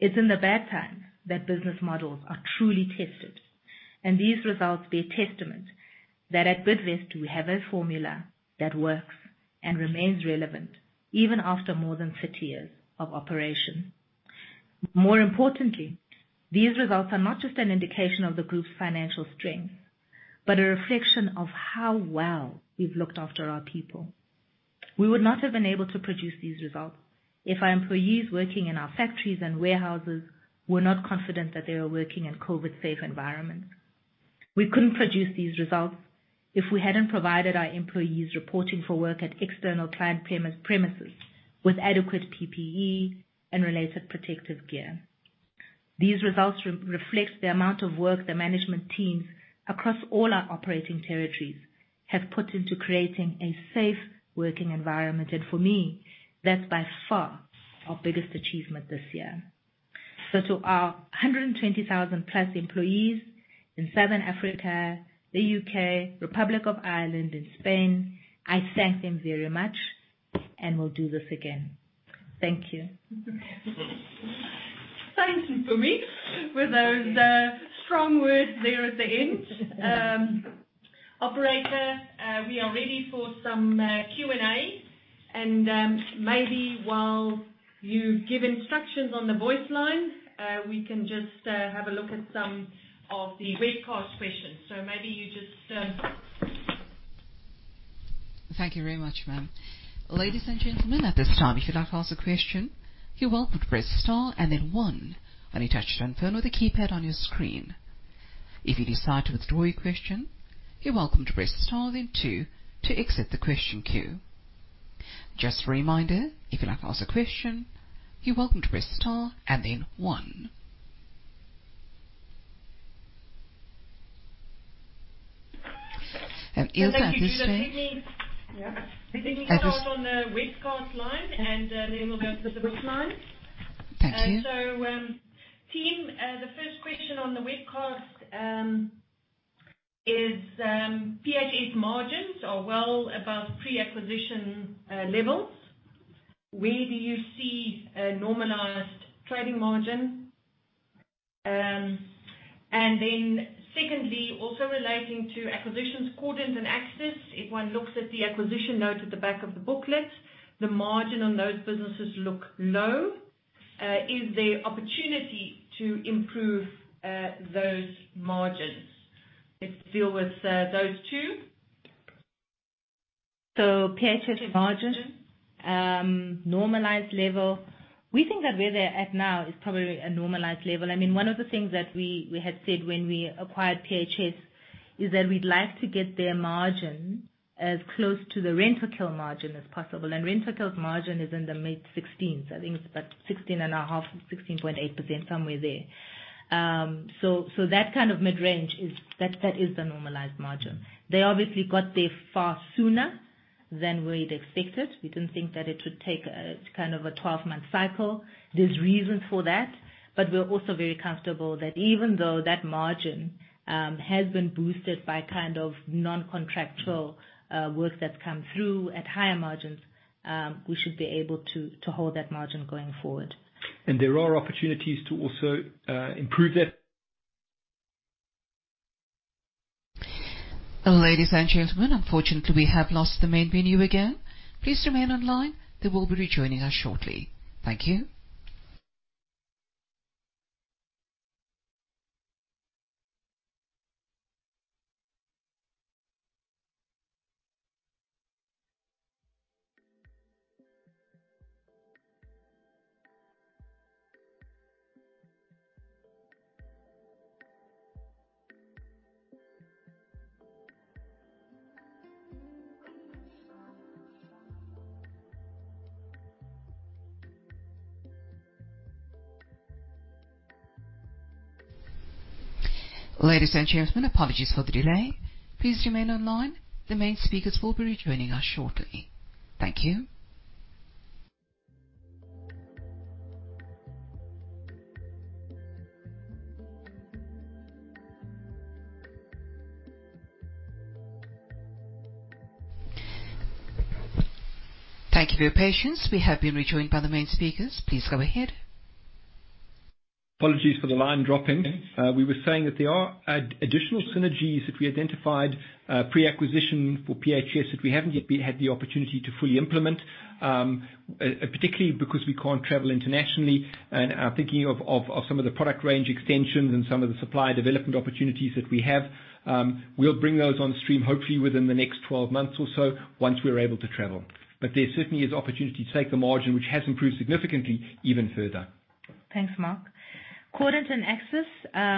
It's in the bad times that business models are truly tested, and these results bear testament that at Bidvest, we have a formula that works and remains relevant even after more than 30 years of operation. More importantly, these results are not just an indication of the group's financial strength, but a reflection of how well we've looked after our people. We would not have been able to produce these results if our employees working in our factories and warehouses were not confident that they were working in COVID-safe environments. We couldn't produce these results if we hadn't provided our employees reporting for work at external client premises with adequate PPE and related protective gear. These results reflect the amount of work the management teams across all our operating territories have put into creating a safe working environment. For me, that's by far our biggest achievement this year. To our 120,000 plus employees in Southern Africa, the U.K., Republic of Ireland, and Spain, I thank them very much. We'll do this again. Thank you. Thanks, Phumi, for those strong words there at the end. Operator, we are ready for some Q&A, and maybe while you give instructions on the voice line, we can just have a look at some of the webcast questions. Thank you very much, ma'am. Is that the space? If you do that. Yeah. We think we start on the webcast line, and then we'll go to the voice line. Thank you. Team, the first question on the webcast is, PHS margins are well above pre-acquisition levels. Where do you see a normalized trading margin? Secondly, also relating to acquisitions, Cordant and Axis, if one looks at the acquisition note at the back of the booklet, the margin on those businesses look low. Is there opportunity to improve those margins? Let's deal with those two. PHS margin, normalized level. We think that where they're at now is probably a normalized level. One of the things that we had said when we acquired PHS is that we'd like to get their margin as close to the Rentokil margin as possible. Rentokil's margin is in the mid-16s. I think it's about 16.5, 16.8%, somewhere there. That kind of mid-range is the normalized margin. They obviously got there far sooner than we'd expected. We didn't think that it would take a 12-month cycle. There are reasons for that, but we're also very comfortable that even though that margin has been boosted by non-contractual work that's come through at higher margins, we should be able to hold that margin going forward. There are opportunities to also improve that. Ladies and gentlemen, unfortunately, we have lost the main venue again. Please remain online. They will be rejoining us shortly. Thank you. Ladies and gentlemen, apologies for the delay. Please remain online. The main speakers will be rejoining us shortly. Thank you. Thank you for your patience. We have been rejoined by the main speakers. Please go ahead. Apologies for the line dropping. We were saying that there are additional synergies that we identified pre-acquisition for PHS that we haven't yet had the opportunity to fully implement, particularly because we can't travel internationally and are thinking of some of the product range extensions and some of the supply development opportunities that we have. We'll bring those on stream, hopefully within the next 12 months or so, once we're able to travel. There certainly is opportunity to take the margin, which has improved significantly, even further. Thanks, Mark. Cordant and Axis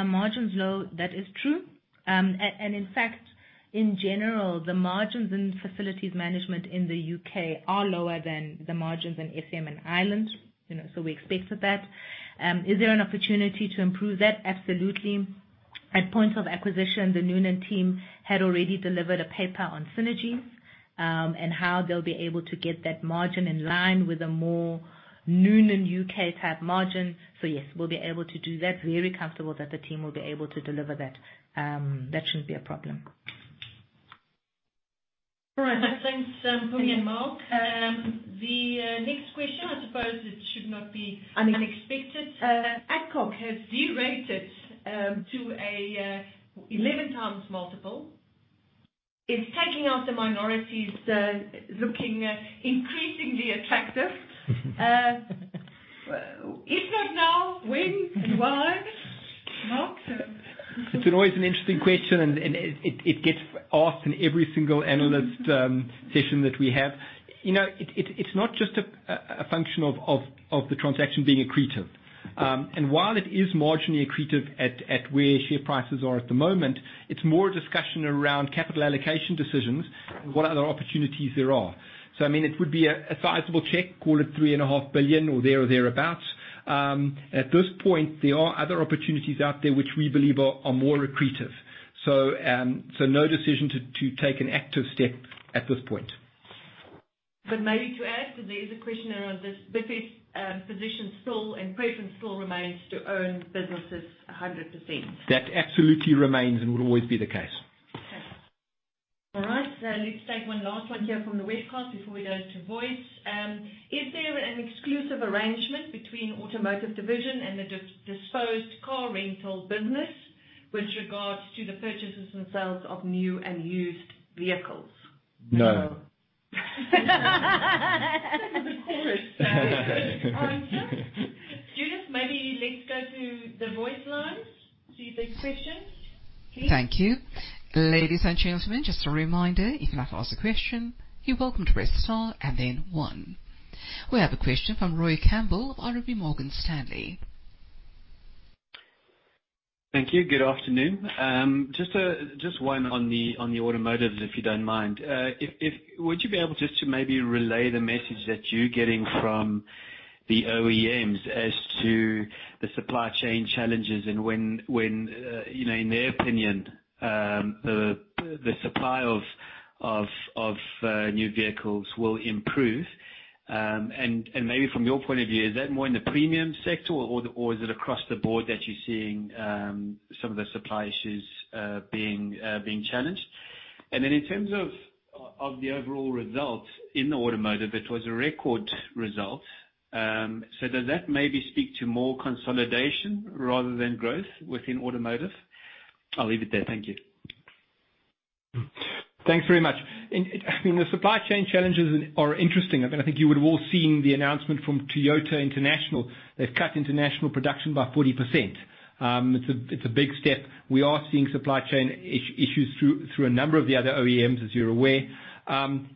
margins low, that is true. In fact, in general, the margins in facilities management in the U.K. are lower than the margins in ASM and Ireland, we expected that. Is there an opportunity to improve that? Absolutely. At point of acquisition, the Noonan team had already delivered a paper on synergies, how they'll be able to get that margin in line with a more Noonan U.K. type margin. Yes, we'll be able to do that. Very comfortable that the team will be able to deliver that. That shouldn't be a problem. All right. Thanks, Phumi and Mark. The next question, I suppose it should not be unexpected. I mean- Adcock has derated to a 11 times multiple. It's taking out the minorities, looking increasingly attractive. If not now, when and why, Mark? It's always an interesting question, and it gets asked in every single analyst session that we have. It's not just a function of the transaction being accretive. While it is marginally accretive at where share prices are at the moment, it's more a discussion around capital allocation decisions and what other opportunities there are. It would be a sizable check, call it 3.5 billion or thereabout. At this point, there are other opportunities out there which we believe are more accretive. No decision to take an active step at this point. Maybe to add, because there is a question around this, Bidvest position still and preference still remains to own businesses 100%. That absolutely remains and will always be the case. All right, let's take one last one here from the webcast before we go to voice. Is there an exclusive arrangement between automotive division and the disposed car rental business with regards to the purchases and sales of new and used vehicles? No. No. That was a quick answer. Judith, maybe let's go to the voice lines to the expressions, please. Thank you. Ladies and gentlemen, just a reminder, if you have to ask a question, you are welcome to press Star and then one. We have a question from Roy Campbell of RMB Morgan Stanley. Thank you. Good afternoon. Just one on the automotive, if you don't mind. Would you be able just to maybe relay the message that you're getting from the OEMs as to the supply chain challenges and when, in their opinion, the supply of new vehicles will improve? Maybe from your point of view, is that more in the premium sector or is it across the board that you're seeing some of the supply issues being challenged? In terms of the overall results in the automotive, it was a record result. Does that maybe speak to more consolidation rather than growth within automotive? I'll leave it there. Thank you. Thanks very much. I mean, the supply chain challenges are interesting. I think you would have all seen the announcement from Toyota International. They've cut international production by 40%. It's a big step. We are seeing supply chain issues through a number of the other OEMs, as you're aware.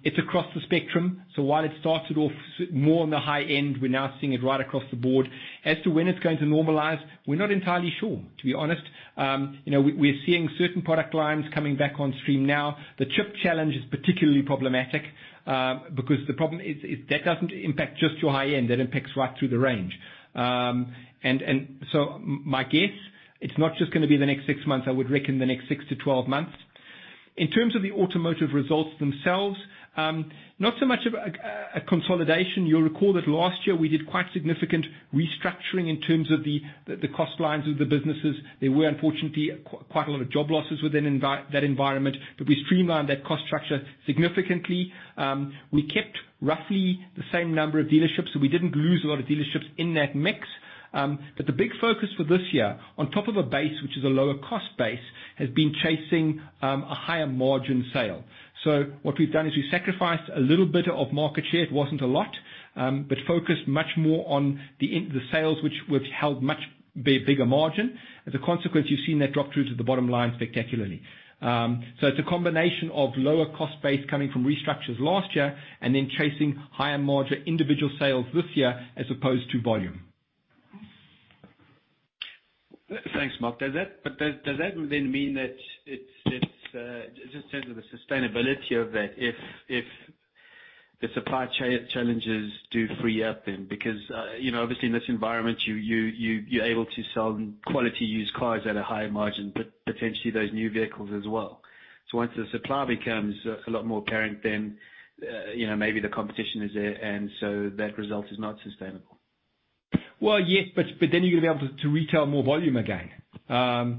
It's across the spectrum. While it started off more on the high end, we're now seeing it right across the board. As to when it's going to normalize, we're not entirely sure, to be honest. We're seeing certain product lines coming back on stream now. The chip challenge is particularly problematic, because the problem is that doesn't impact just your high-end, that impacts right through the range. My guess, it's not just gonna be the next six months. I would reckon the next six-12 months. In terms of the automotive results themselves, not so much of a consolidation. You'll recall that last year we did quite significant restructuring in terms of the cost lines of the businesses. There were, unfortunately, quite a lot of job losses within that environment. We streamlined that cost structure significantly. We kept roughly the same number of dealerships, so we didn't lose a lot of dealerships in that mix. The big focus for this year, on top of a base which is a lower cost base, has been chasing a higher margin sale. What we've done is we sacrificed a little bit of market share. It wasn't a lot. Focused much more on the sales, which held much bigger margin. As a consequence, you've seen that drop through to the bottom line spectacularly. It's a combination of lower cost base coming from restructures last year and then chasing higher margin individual sales this year as opposed to volume. Thanks, Mark. Does that mean that, just in terms of the sustainability of that, if the supply chain challenges do free up, because obviously in this environment, you're able to sell quality used cars at a higher margin, but potentially those new vehicles as well? Once the supply becomes a lot more apparent, maybe the competition is there, that result is not sustainable. Yes, you're gonna be able to retail more volume again. At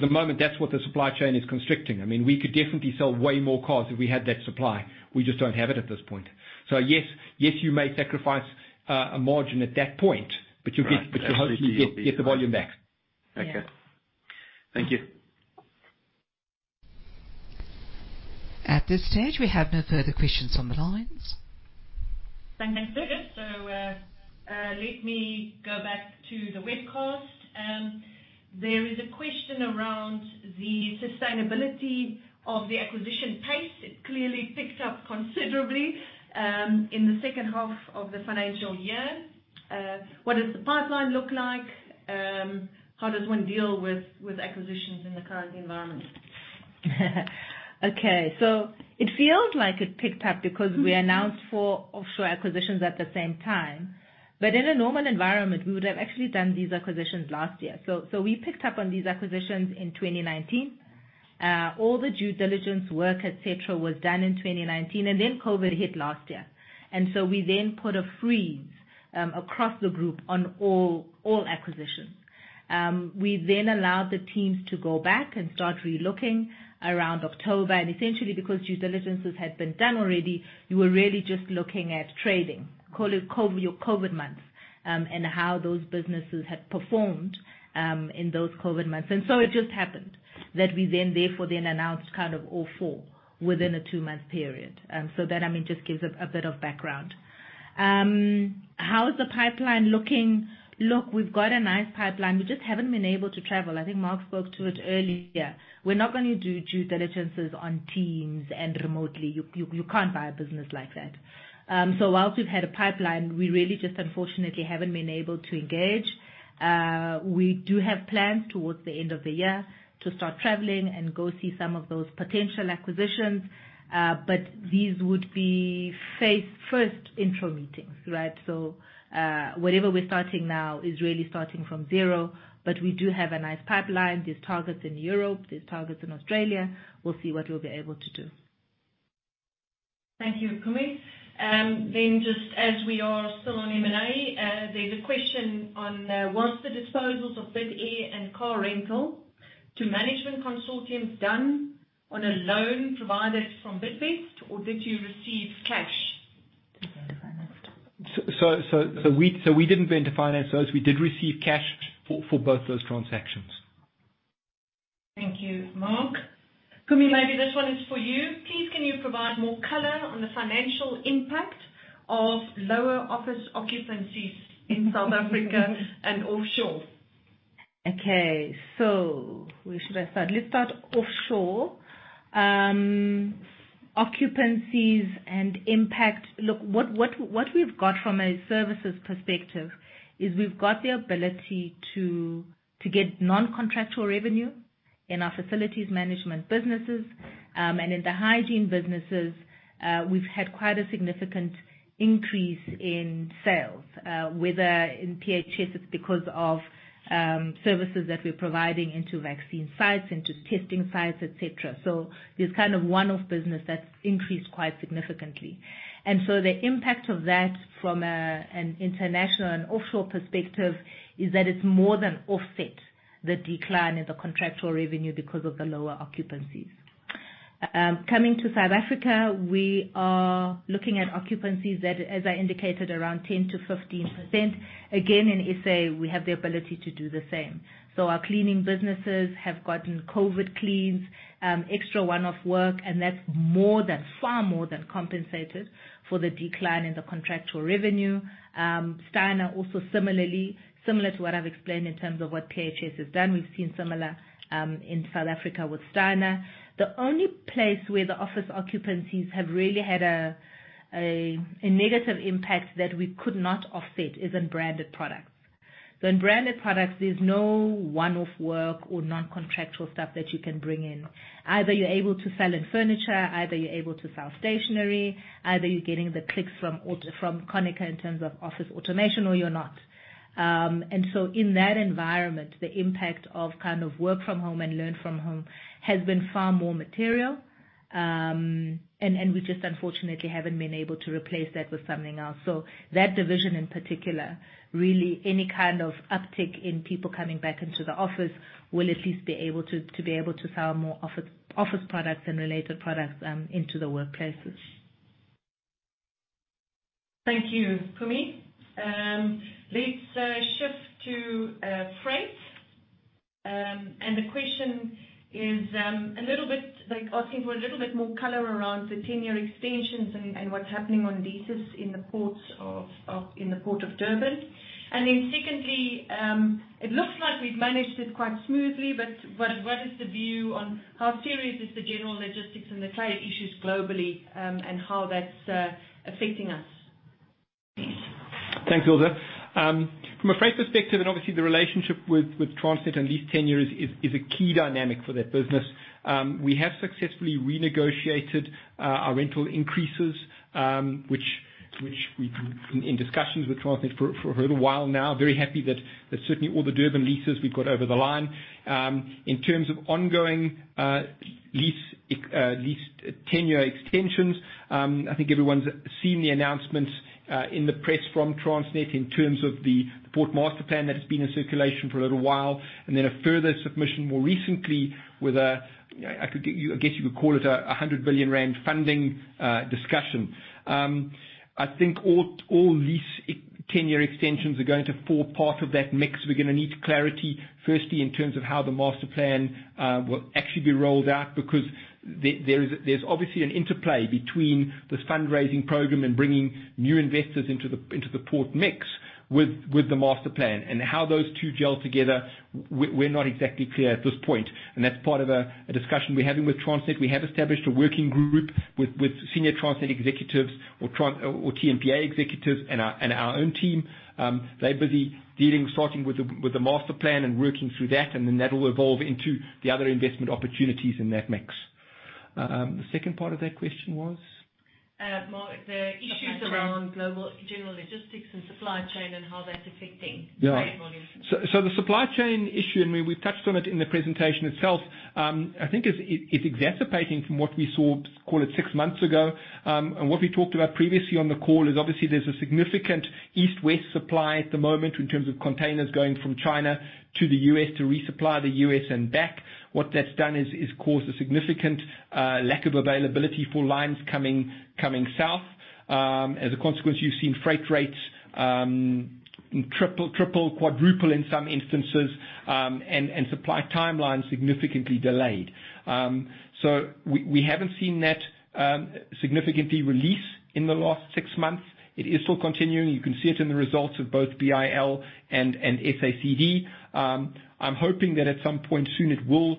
the moment, that's what the supply chain is constricting. I mean, we could definitely sell way more cars if we had that supply. We just don't have it at this point. Yes, you may sacrifice a margin at that point, but you hopefully get the volume back. Okay. Thank you. At this stage, we have no further questions on the lines. Thank you, Judith. Let me go back to the webcast. There is a question around the sustainability of the acquisition pace. It clearly picked up considerably, in the second half of the financial year. What does the pipeline look like? How does one deal with acquisitions in the current environment? Okay. It feels like it picked up because we announced four offshore acquisitions at the same time. In a normal environment, we would have actually done these acquisitions last year. We picked up on these acquisitions in 2019. All the due diligence work, et cetera, was done in 2019, and then COVID hit last year. We then put a freeze across the group on all acquisitions. We then allowed the teams to go back and start relooking around October, and essentially, because due diligences had been done already, you were really just looking at trading, call it your COVID months, and how those businesses had performed in those COVID months. It just happened that we then therefore then announced all four within a two-month period. That, I mean, just gives a bit of background. How is the pipeline looking? We've got a nice pipeline. We just haven't been able to travel. I think Mark spoke to it earlier. We're not gonna do due diligences on Teams and remotely. You can't buy a business like that. Whilst we've had a pipeline, we really just unfortunately haven't been able to engage. We do have plans towards the end of the year to start traveling and go see some of those potential acquisitions. These would be phase first intro meetings, right? Whatever we're starting now is really starting from zero, we do have a nice pipeline. There's targets in Europe. There's targets in Australia. We'll see what we'll be able to do. Thank you, Mpumi Madisa. Just as we are still on M&A, there's a question on, was the disposals of BidAir Services and Car Rental to management consortiums done on a loan provided from Bidvest, or did you receive cash? We didn't intend to finance those. We did receive cash for both those transactions. Thank you. Mark. Mpumi Madisa, maybe this one is for you. Please, can you provide more color on the financial impact of lower office occupancies in South Africa and offshore? Okay. Where should I start? Let's start offshore. Occupancies and impact. Look, what we've got from a services perspective is we've got the ability to get non-contractual revenue in our facilities management businesses. In the hygiene businesses, we've had quite a significant increase in sales, whether in PHS it's because of services that we're providing into vaccine sites, into testing sites, et cetera. There's kind of one-off business that's increased quite significantly. The impact of that from an international and offshore perspective is that it's more than offset the decline in the contractual revenue because of the lower occupancies. Coming to South Africa, we are looking at occupancies that, as I indicated, around 10%-15%. Again, in S.A., we have the ability to do the same. Our cleaning businesses have gotten COVID cleans, extra one-off work, and that's far more than compensated for the decline in the contractual revenue. Bidvest Steiner similar to what I've explained in terms of what PHS has done, we've seen similar in South Africa with Bidvest Steiner. The only place where the office occupancies have really had a negative impact that we could not offset is in branded products. In branded products, there's no one-off work or non-contractual stuff that you can bring in. Either you're able to sell in furniture, either you're able to sell stationery, either you're getting the clicks from Konica in terms of office automation, or you're not. In that environment, the impact of work from home and learn from home has been far more material. We just unfortunately haven't been able to replace that with something else. That division in particular, really any kind of uptick in people coming back into the office will at least be able to sell more office products and related products into the workplaces. Thank you, Kumi. Let's shift to freight. The question is asking for a little bit more color around the 10-year extensions and what's happening on leases in the port of Durban. Secondly, it looks like we've managed it quite smoothly, but what is the view on how serious is the general logistics and the trade issues globally, and how that's affecting us? Thanks, Ilse. From a freight perspective and obviously the relationship with Transnet and lease tenure is a key dynamic for that business. We have successfully renegotiated our rental increases, which we've been in discussions with Transnet for a little while now. Very happy that certainly all the Durban leases we've got over the line. In terms of ongoing lease tenure extensions, I think everyone's seen the announcements in the press from Transnet in terms of the port master plan that's been in circulation for a little while, and then a further submission more recently with a, I guess you could call it a 100 billion rand funding discussion. I think all lease tenure extensions are going to form part of that mix. We're going to need clarity, firstly, in terms of how the master plan will actually be rolled out, because there's obviously an interplay between this fundraising program and bringing new investors into the port mix with the master plan. How those two gel together, we're not exactly clear at this point, and that's part of a discussion we're having with Transnet. We have established a working group with senior Transnet executives or TNPA executives and our own team. They're busy dealing, starting with the master plan and working through that, and then that will evolve into the other investment opportunities in that mix. The second part of that question was? The issues around general logistics and supply chain and how that's affecting trade volumes. The supply chain issue, and we touched on it in the presentation itself, I think it's exacerbating from what we saw, call it six months ago. What we talked about previously on the call is obviously there's a significant East-West supply at the moment in terms of containers going from China to the U.S. to resupply the U.S. and back. What that's done is cause a significant lack of availability for lines coming south. As a consequence, you've seen freight rates 3x, 4x in some instances, and supply timelines significantly delayed. We haven't seen that significantly release in the last six months. It is still continuing. You can see it in the results of both BIL and SACD. I'm hoping that at some point soon it will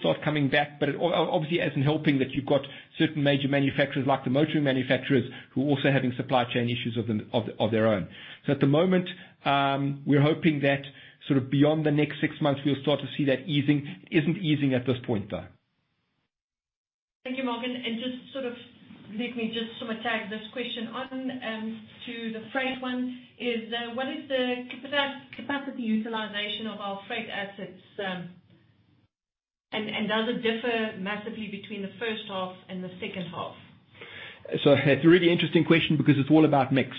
start coming back. Obviously it isn't helping that you've got certain major manufacturers like the motoring manufacturers who are also having supply chain issues of their own. At the moment, we're hoping that sort of beyond the next six months, we'll start to see that easing. It isn't easing at this point, though. Thank you, Mark. Just sort of let me just sort of tag this question on to the freight one. What is the capacity utilization of our freight assets? Does it differ massively between the first half and the second half? It's a really interesting question because it's all about mix.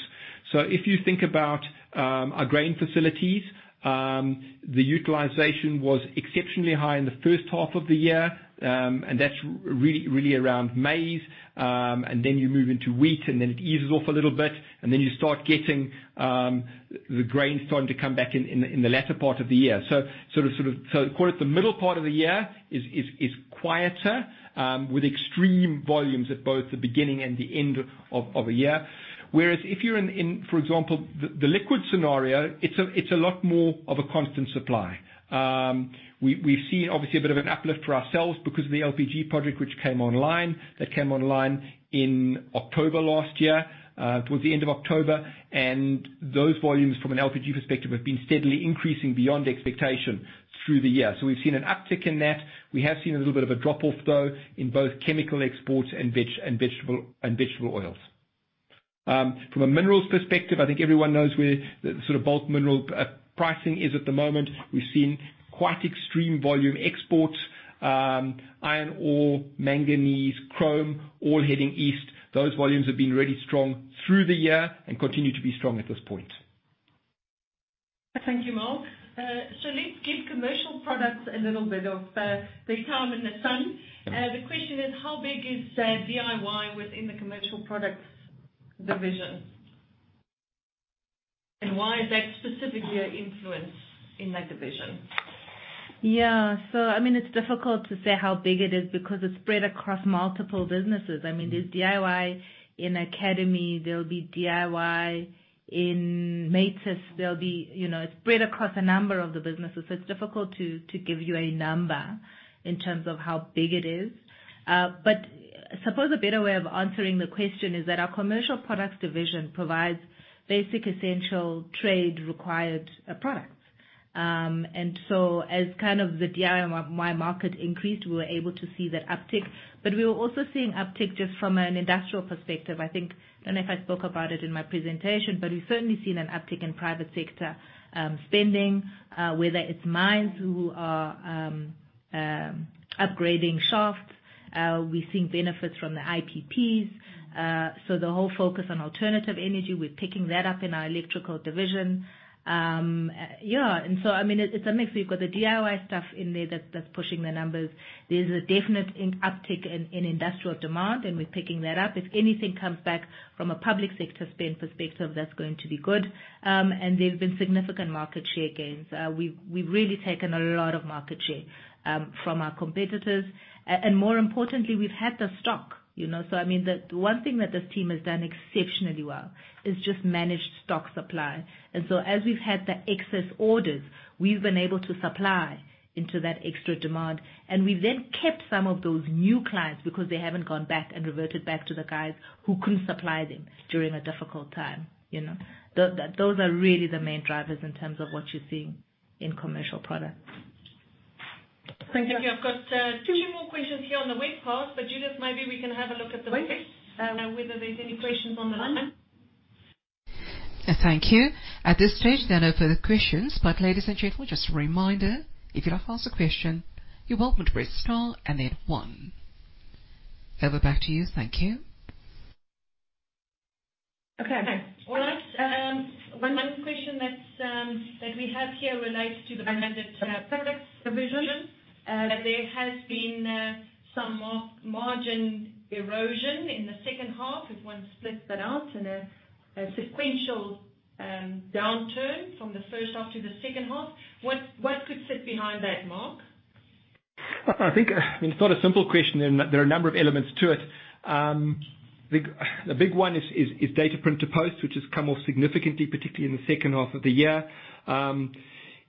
If you think about our grain facilities, the utilization was exceptionally high in the first half of the year, and that's really around maize. Then you move into wheat, and then it eases off a little bit, and then you start getting the grain starting to come back in the latter part of the year. Call it the middle part of the year is quieter with extreme volumes at both the beginning and the end of a year. Whereas if you're in, for example, the liquids scenario, it's a lot more of a constant supply. We've seen obviously a bit of an uplift for ourselves because of the LPG project which came online. That came online in October last year, towards the end of October. Those volumes from an LPG perspective have been steadily increasing beyond expectation through the year. We've seen an uptick in that. We have seen a little bit of a drop-off, though, in both chemical exports and vegetable oils. From a minerals perspective, I think everyone knows where the sort of bulk mineral pricing is at the moment. We've seen quite extreme volume exports. Iron ore, manganese, chrome, all heading east. Those volumes have been really strong through the year and continue to be strong at this point. Thank you, Mark. Let's give Commercial Products a little bit of their time in the sun. The question is, how big is DIY within the Commercial Products division? Why is that specifically an influence in that division? It's difficult to say how big it is because it's spread across multiple businesses. There's DIY in Academy, there'll be DIY in Matus. It's spread across a number of the businesses. It's difficult to give you a number in terms of how big it is. I suppose a better way of answering the question is that our commercial products division provides basic, essential trade required products. As the DIY market increased, we were able to see that uptick. We were also seeing uptick just from an industrial perspective. I think, don't know if I spoke about it in my presentation, but we've certainly seen an uptick in private sector spending, whether it's mines who are upgrading shafts. We're seeing benefits from the IPPs. The whole focus on alternative energy, we're picking that up in our electrical division. It's a mix. We've got the DIY stuff in there that's pushing the numbers. There's a definite uptick in industrial demand, and we're picking that up. If anything comes back from a public sector spend perspective, that's going to be good. There's been significant market share gains. We've really taken a lot of market share from our competitors. More importantly, we've had the stock. The one thing that this team has done exceptionally well is just managed stock supply. As we've had the excess orders, we've been able to supply into that extra demand, and we've then kept some of those new clients because they haven't gone back and reverted back to the guys who couldn't supply them during a difficult time. Those are really the main drivers in terms of what you're seeing in commercial products. Thank you. I've got two more questions here on the wait part, but Judith, maybe we can have a look at the. Wait. Whether there's any questions on the line. Thank you. At this stage, there are no further questions. Ladies and gentlemen, just a reminder, if you'd like to ask a question, you're welcome to press Star and then one. Over back to you. Thank you. Okay. Well, last one question that we have here relates to the branded products division. There has been some margin erosion in the second half, if one splits that out in a sequential downturn from the first half to the second half. What could sit behind that, Mark? It's not a simple question, and there are a number of elements to it. The big one is data print to post, which has come off significantly, particularly in the second half of the year.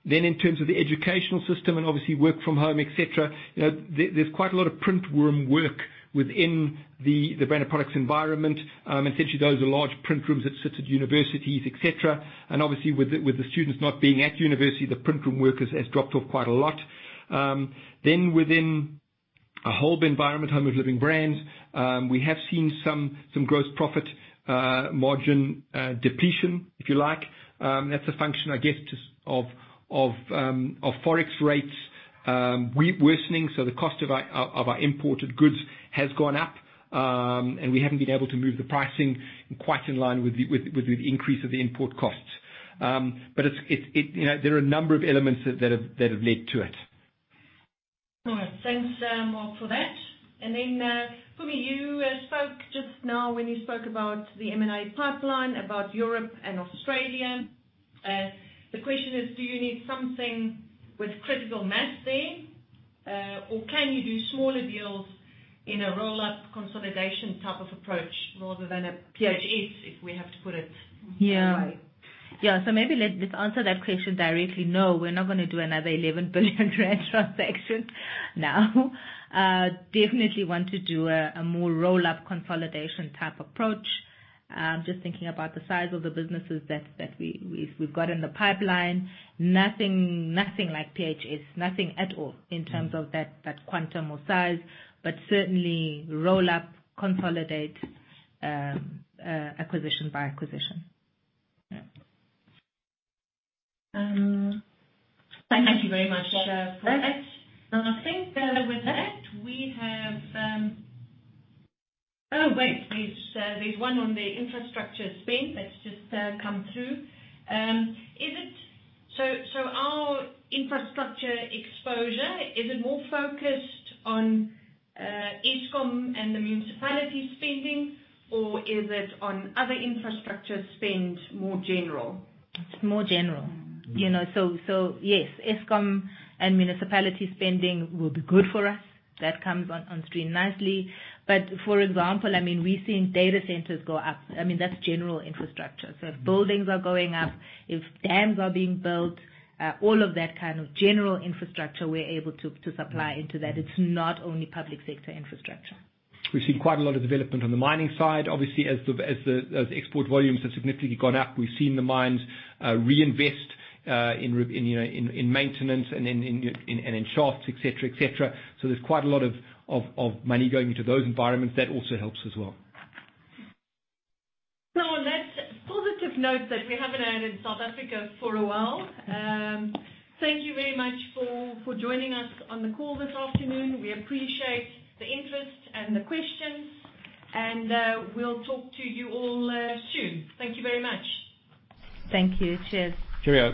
In terms of the educational system and obviously work from home, et cetera, there's quite a lot of print room work within the Branded Products environment. Essentially, those are large print rooms that sit at universities, et cetera. Obviously with the students not being at university, the print room work has dropped off quite a lot. Within a whole environment, Home of Living Brands, we have seen some gross profit margin depletion, if you like. That's a function, I guess, just of Forex rates worsening. The cost of our imported goods has gone up, and we haven't been able to move the pricing quite in line with the increase of the import costs. There are a number of elements that have led to it. Thanks, Mark, for that. Mpumi, you spoke just now when you spoke about the M&A pipeline, about Europe and Australia. The question is, do you need something with critical mass there? Or can you do smaller deals in a roll-up consolidation type of approach rather than a PHS, if we have to put it that way? Yeah. Maybe let's answer that question directly. No, we're not going to do another 11 billion rand transaction now. Definitely want to do a more roll-up consolidation type approach. Just thinking about the size of the businesses that we've got in the pipeline. Nothing like PHS. Nothing at all in terms of that quantum or size. Certainly roll up, consolidate, acquisition by acquisition. Yeah. Thank you very much for that. I think with that we have Oh, wait. There's one on the infrastructure spend that's just come through. Our infrastructure exposure, is it more focused on Eskom and the municipality spending, or is it on other infrastructure spend, more general? It's more general. Yes, Eskom and municipality spending will be good for us. That comes on stream nicely. For example, we're seeing data centers go up. That's general infrastructure. If buildings are going up, if dams are being built, all of that kind of general infrastructure, we're able to supply into that. It's not only public sector infrastructure. We've seen quite a lot of development on the mining side. Obviously, as the export volumes have significantly gone up, we've seen the mines reinvest in maintenance and in shafts, et cetera. There's quite a lot of money going into those environments. That also helps as well. On that positive note that we haven't heard in South Africa for a while, thank you very much for joining us on the call this afternoon. We appreciate the interest and the questions, and we'll talk to you all soon. Thank you very much. Thank you. Cheers. Cheers.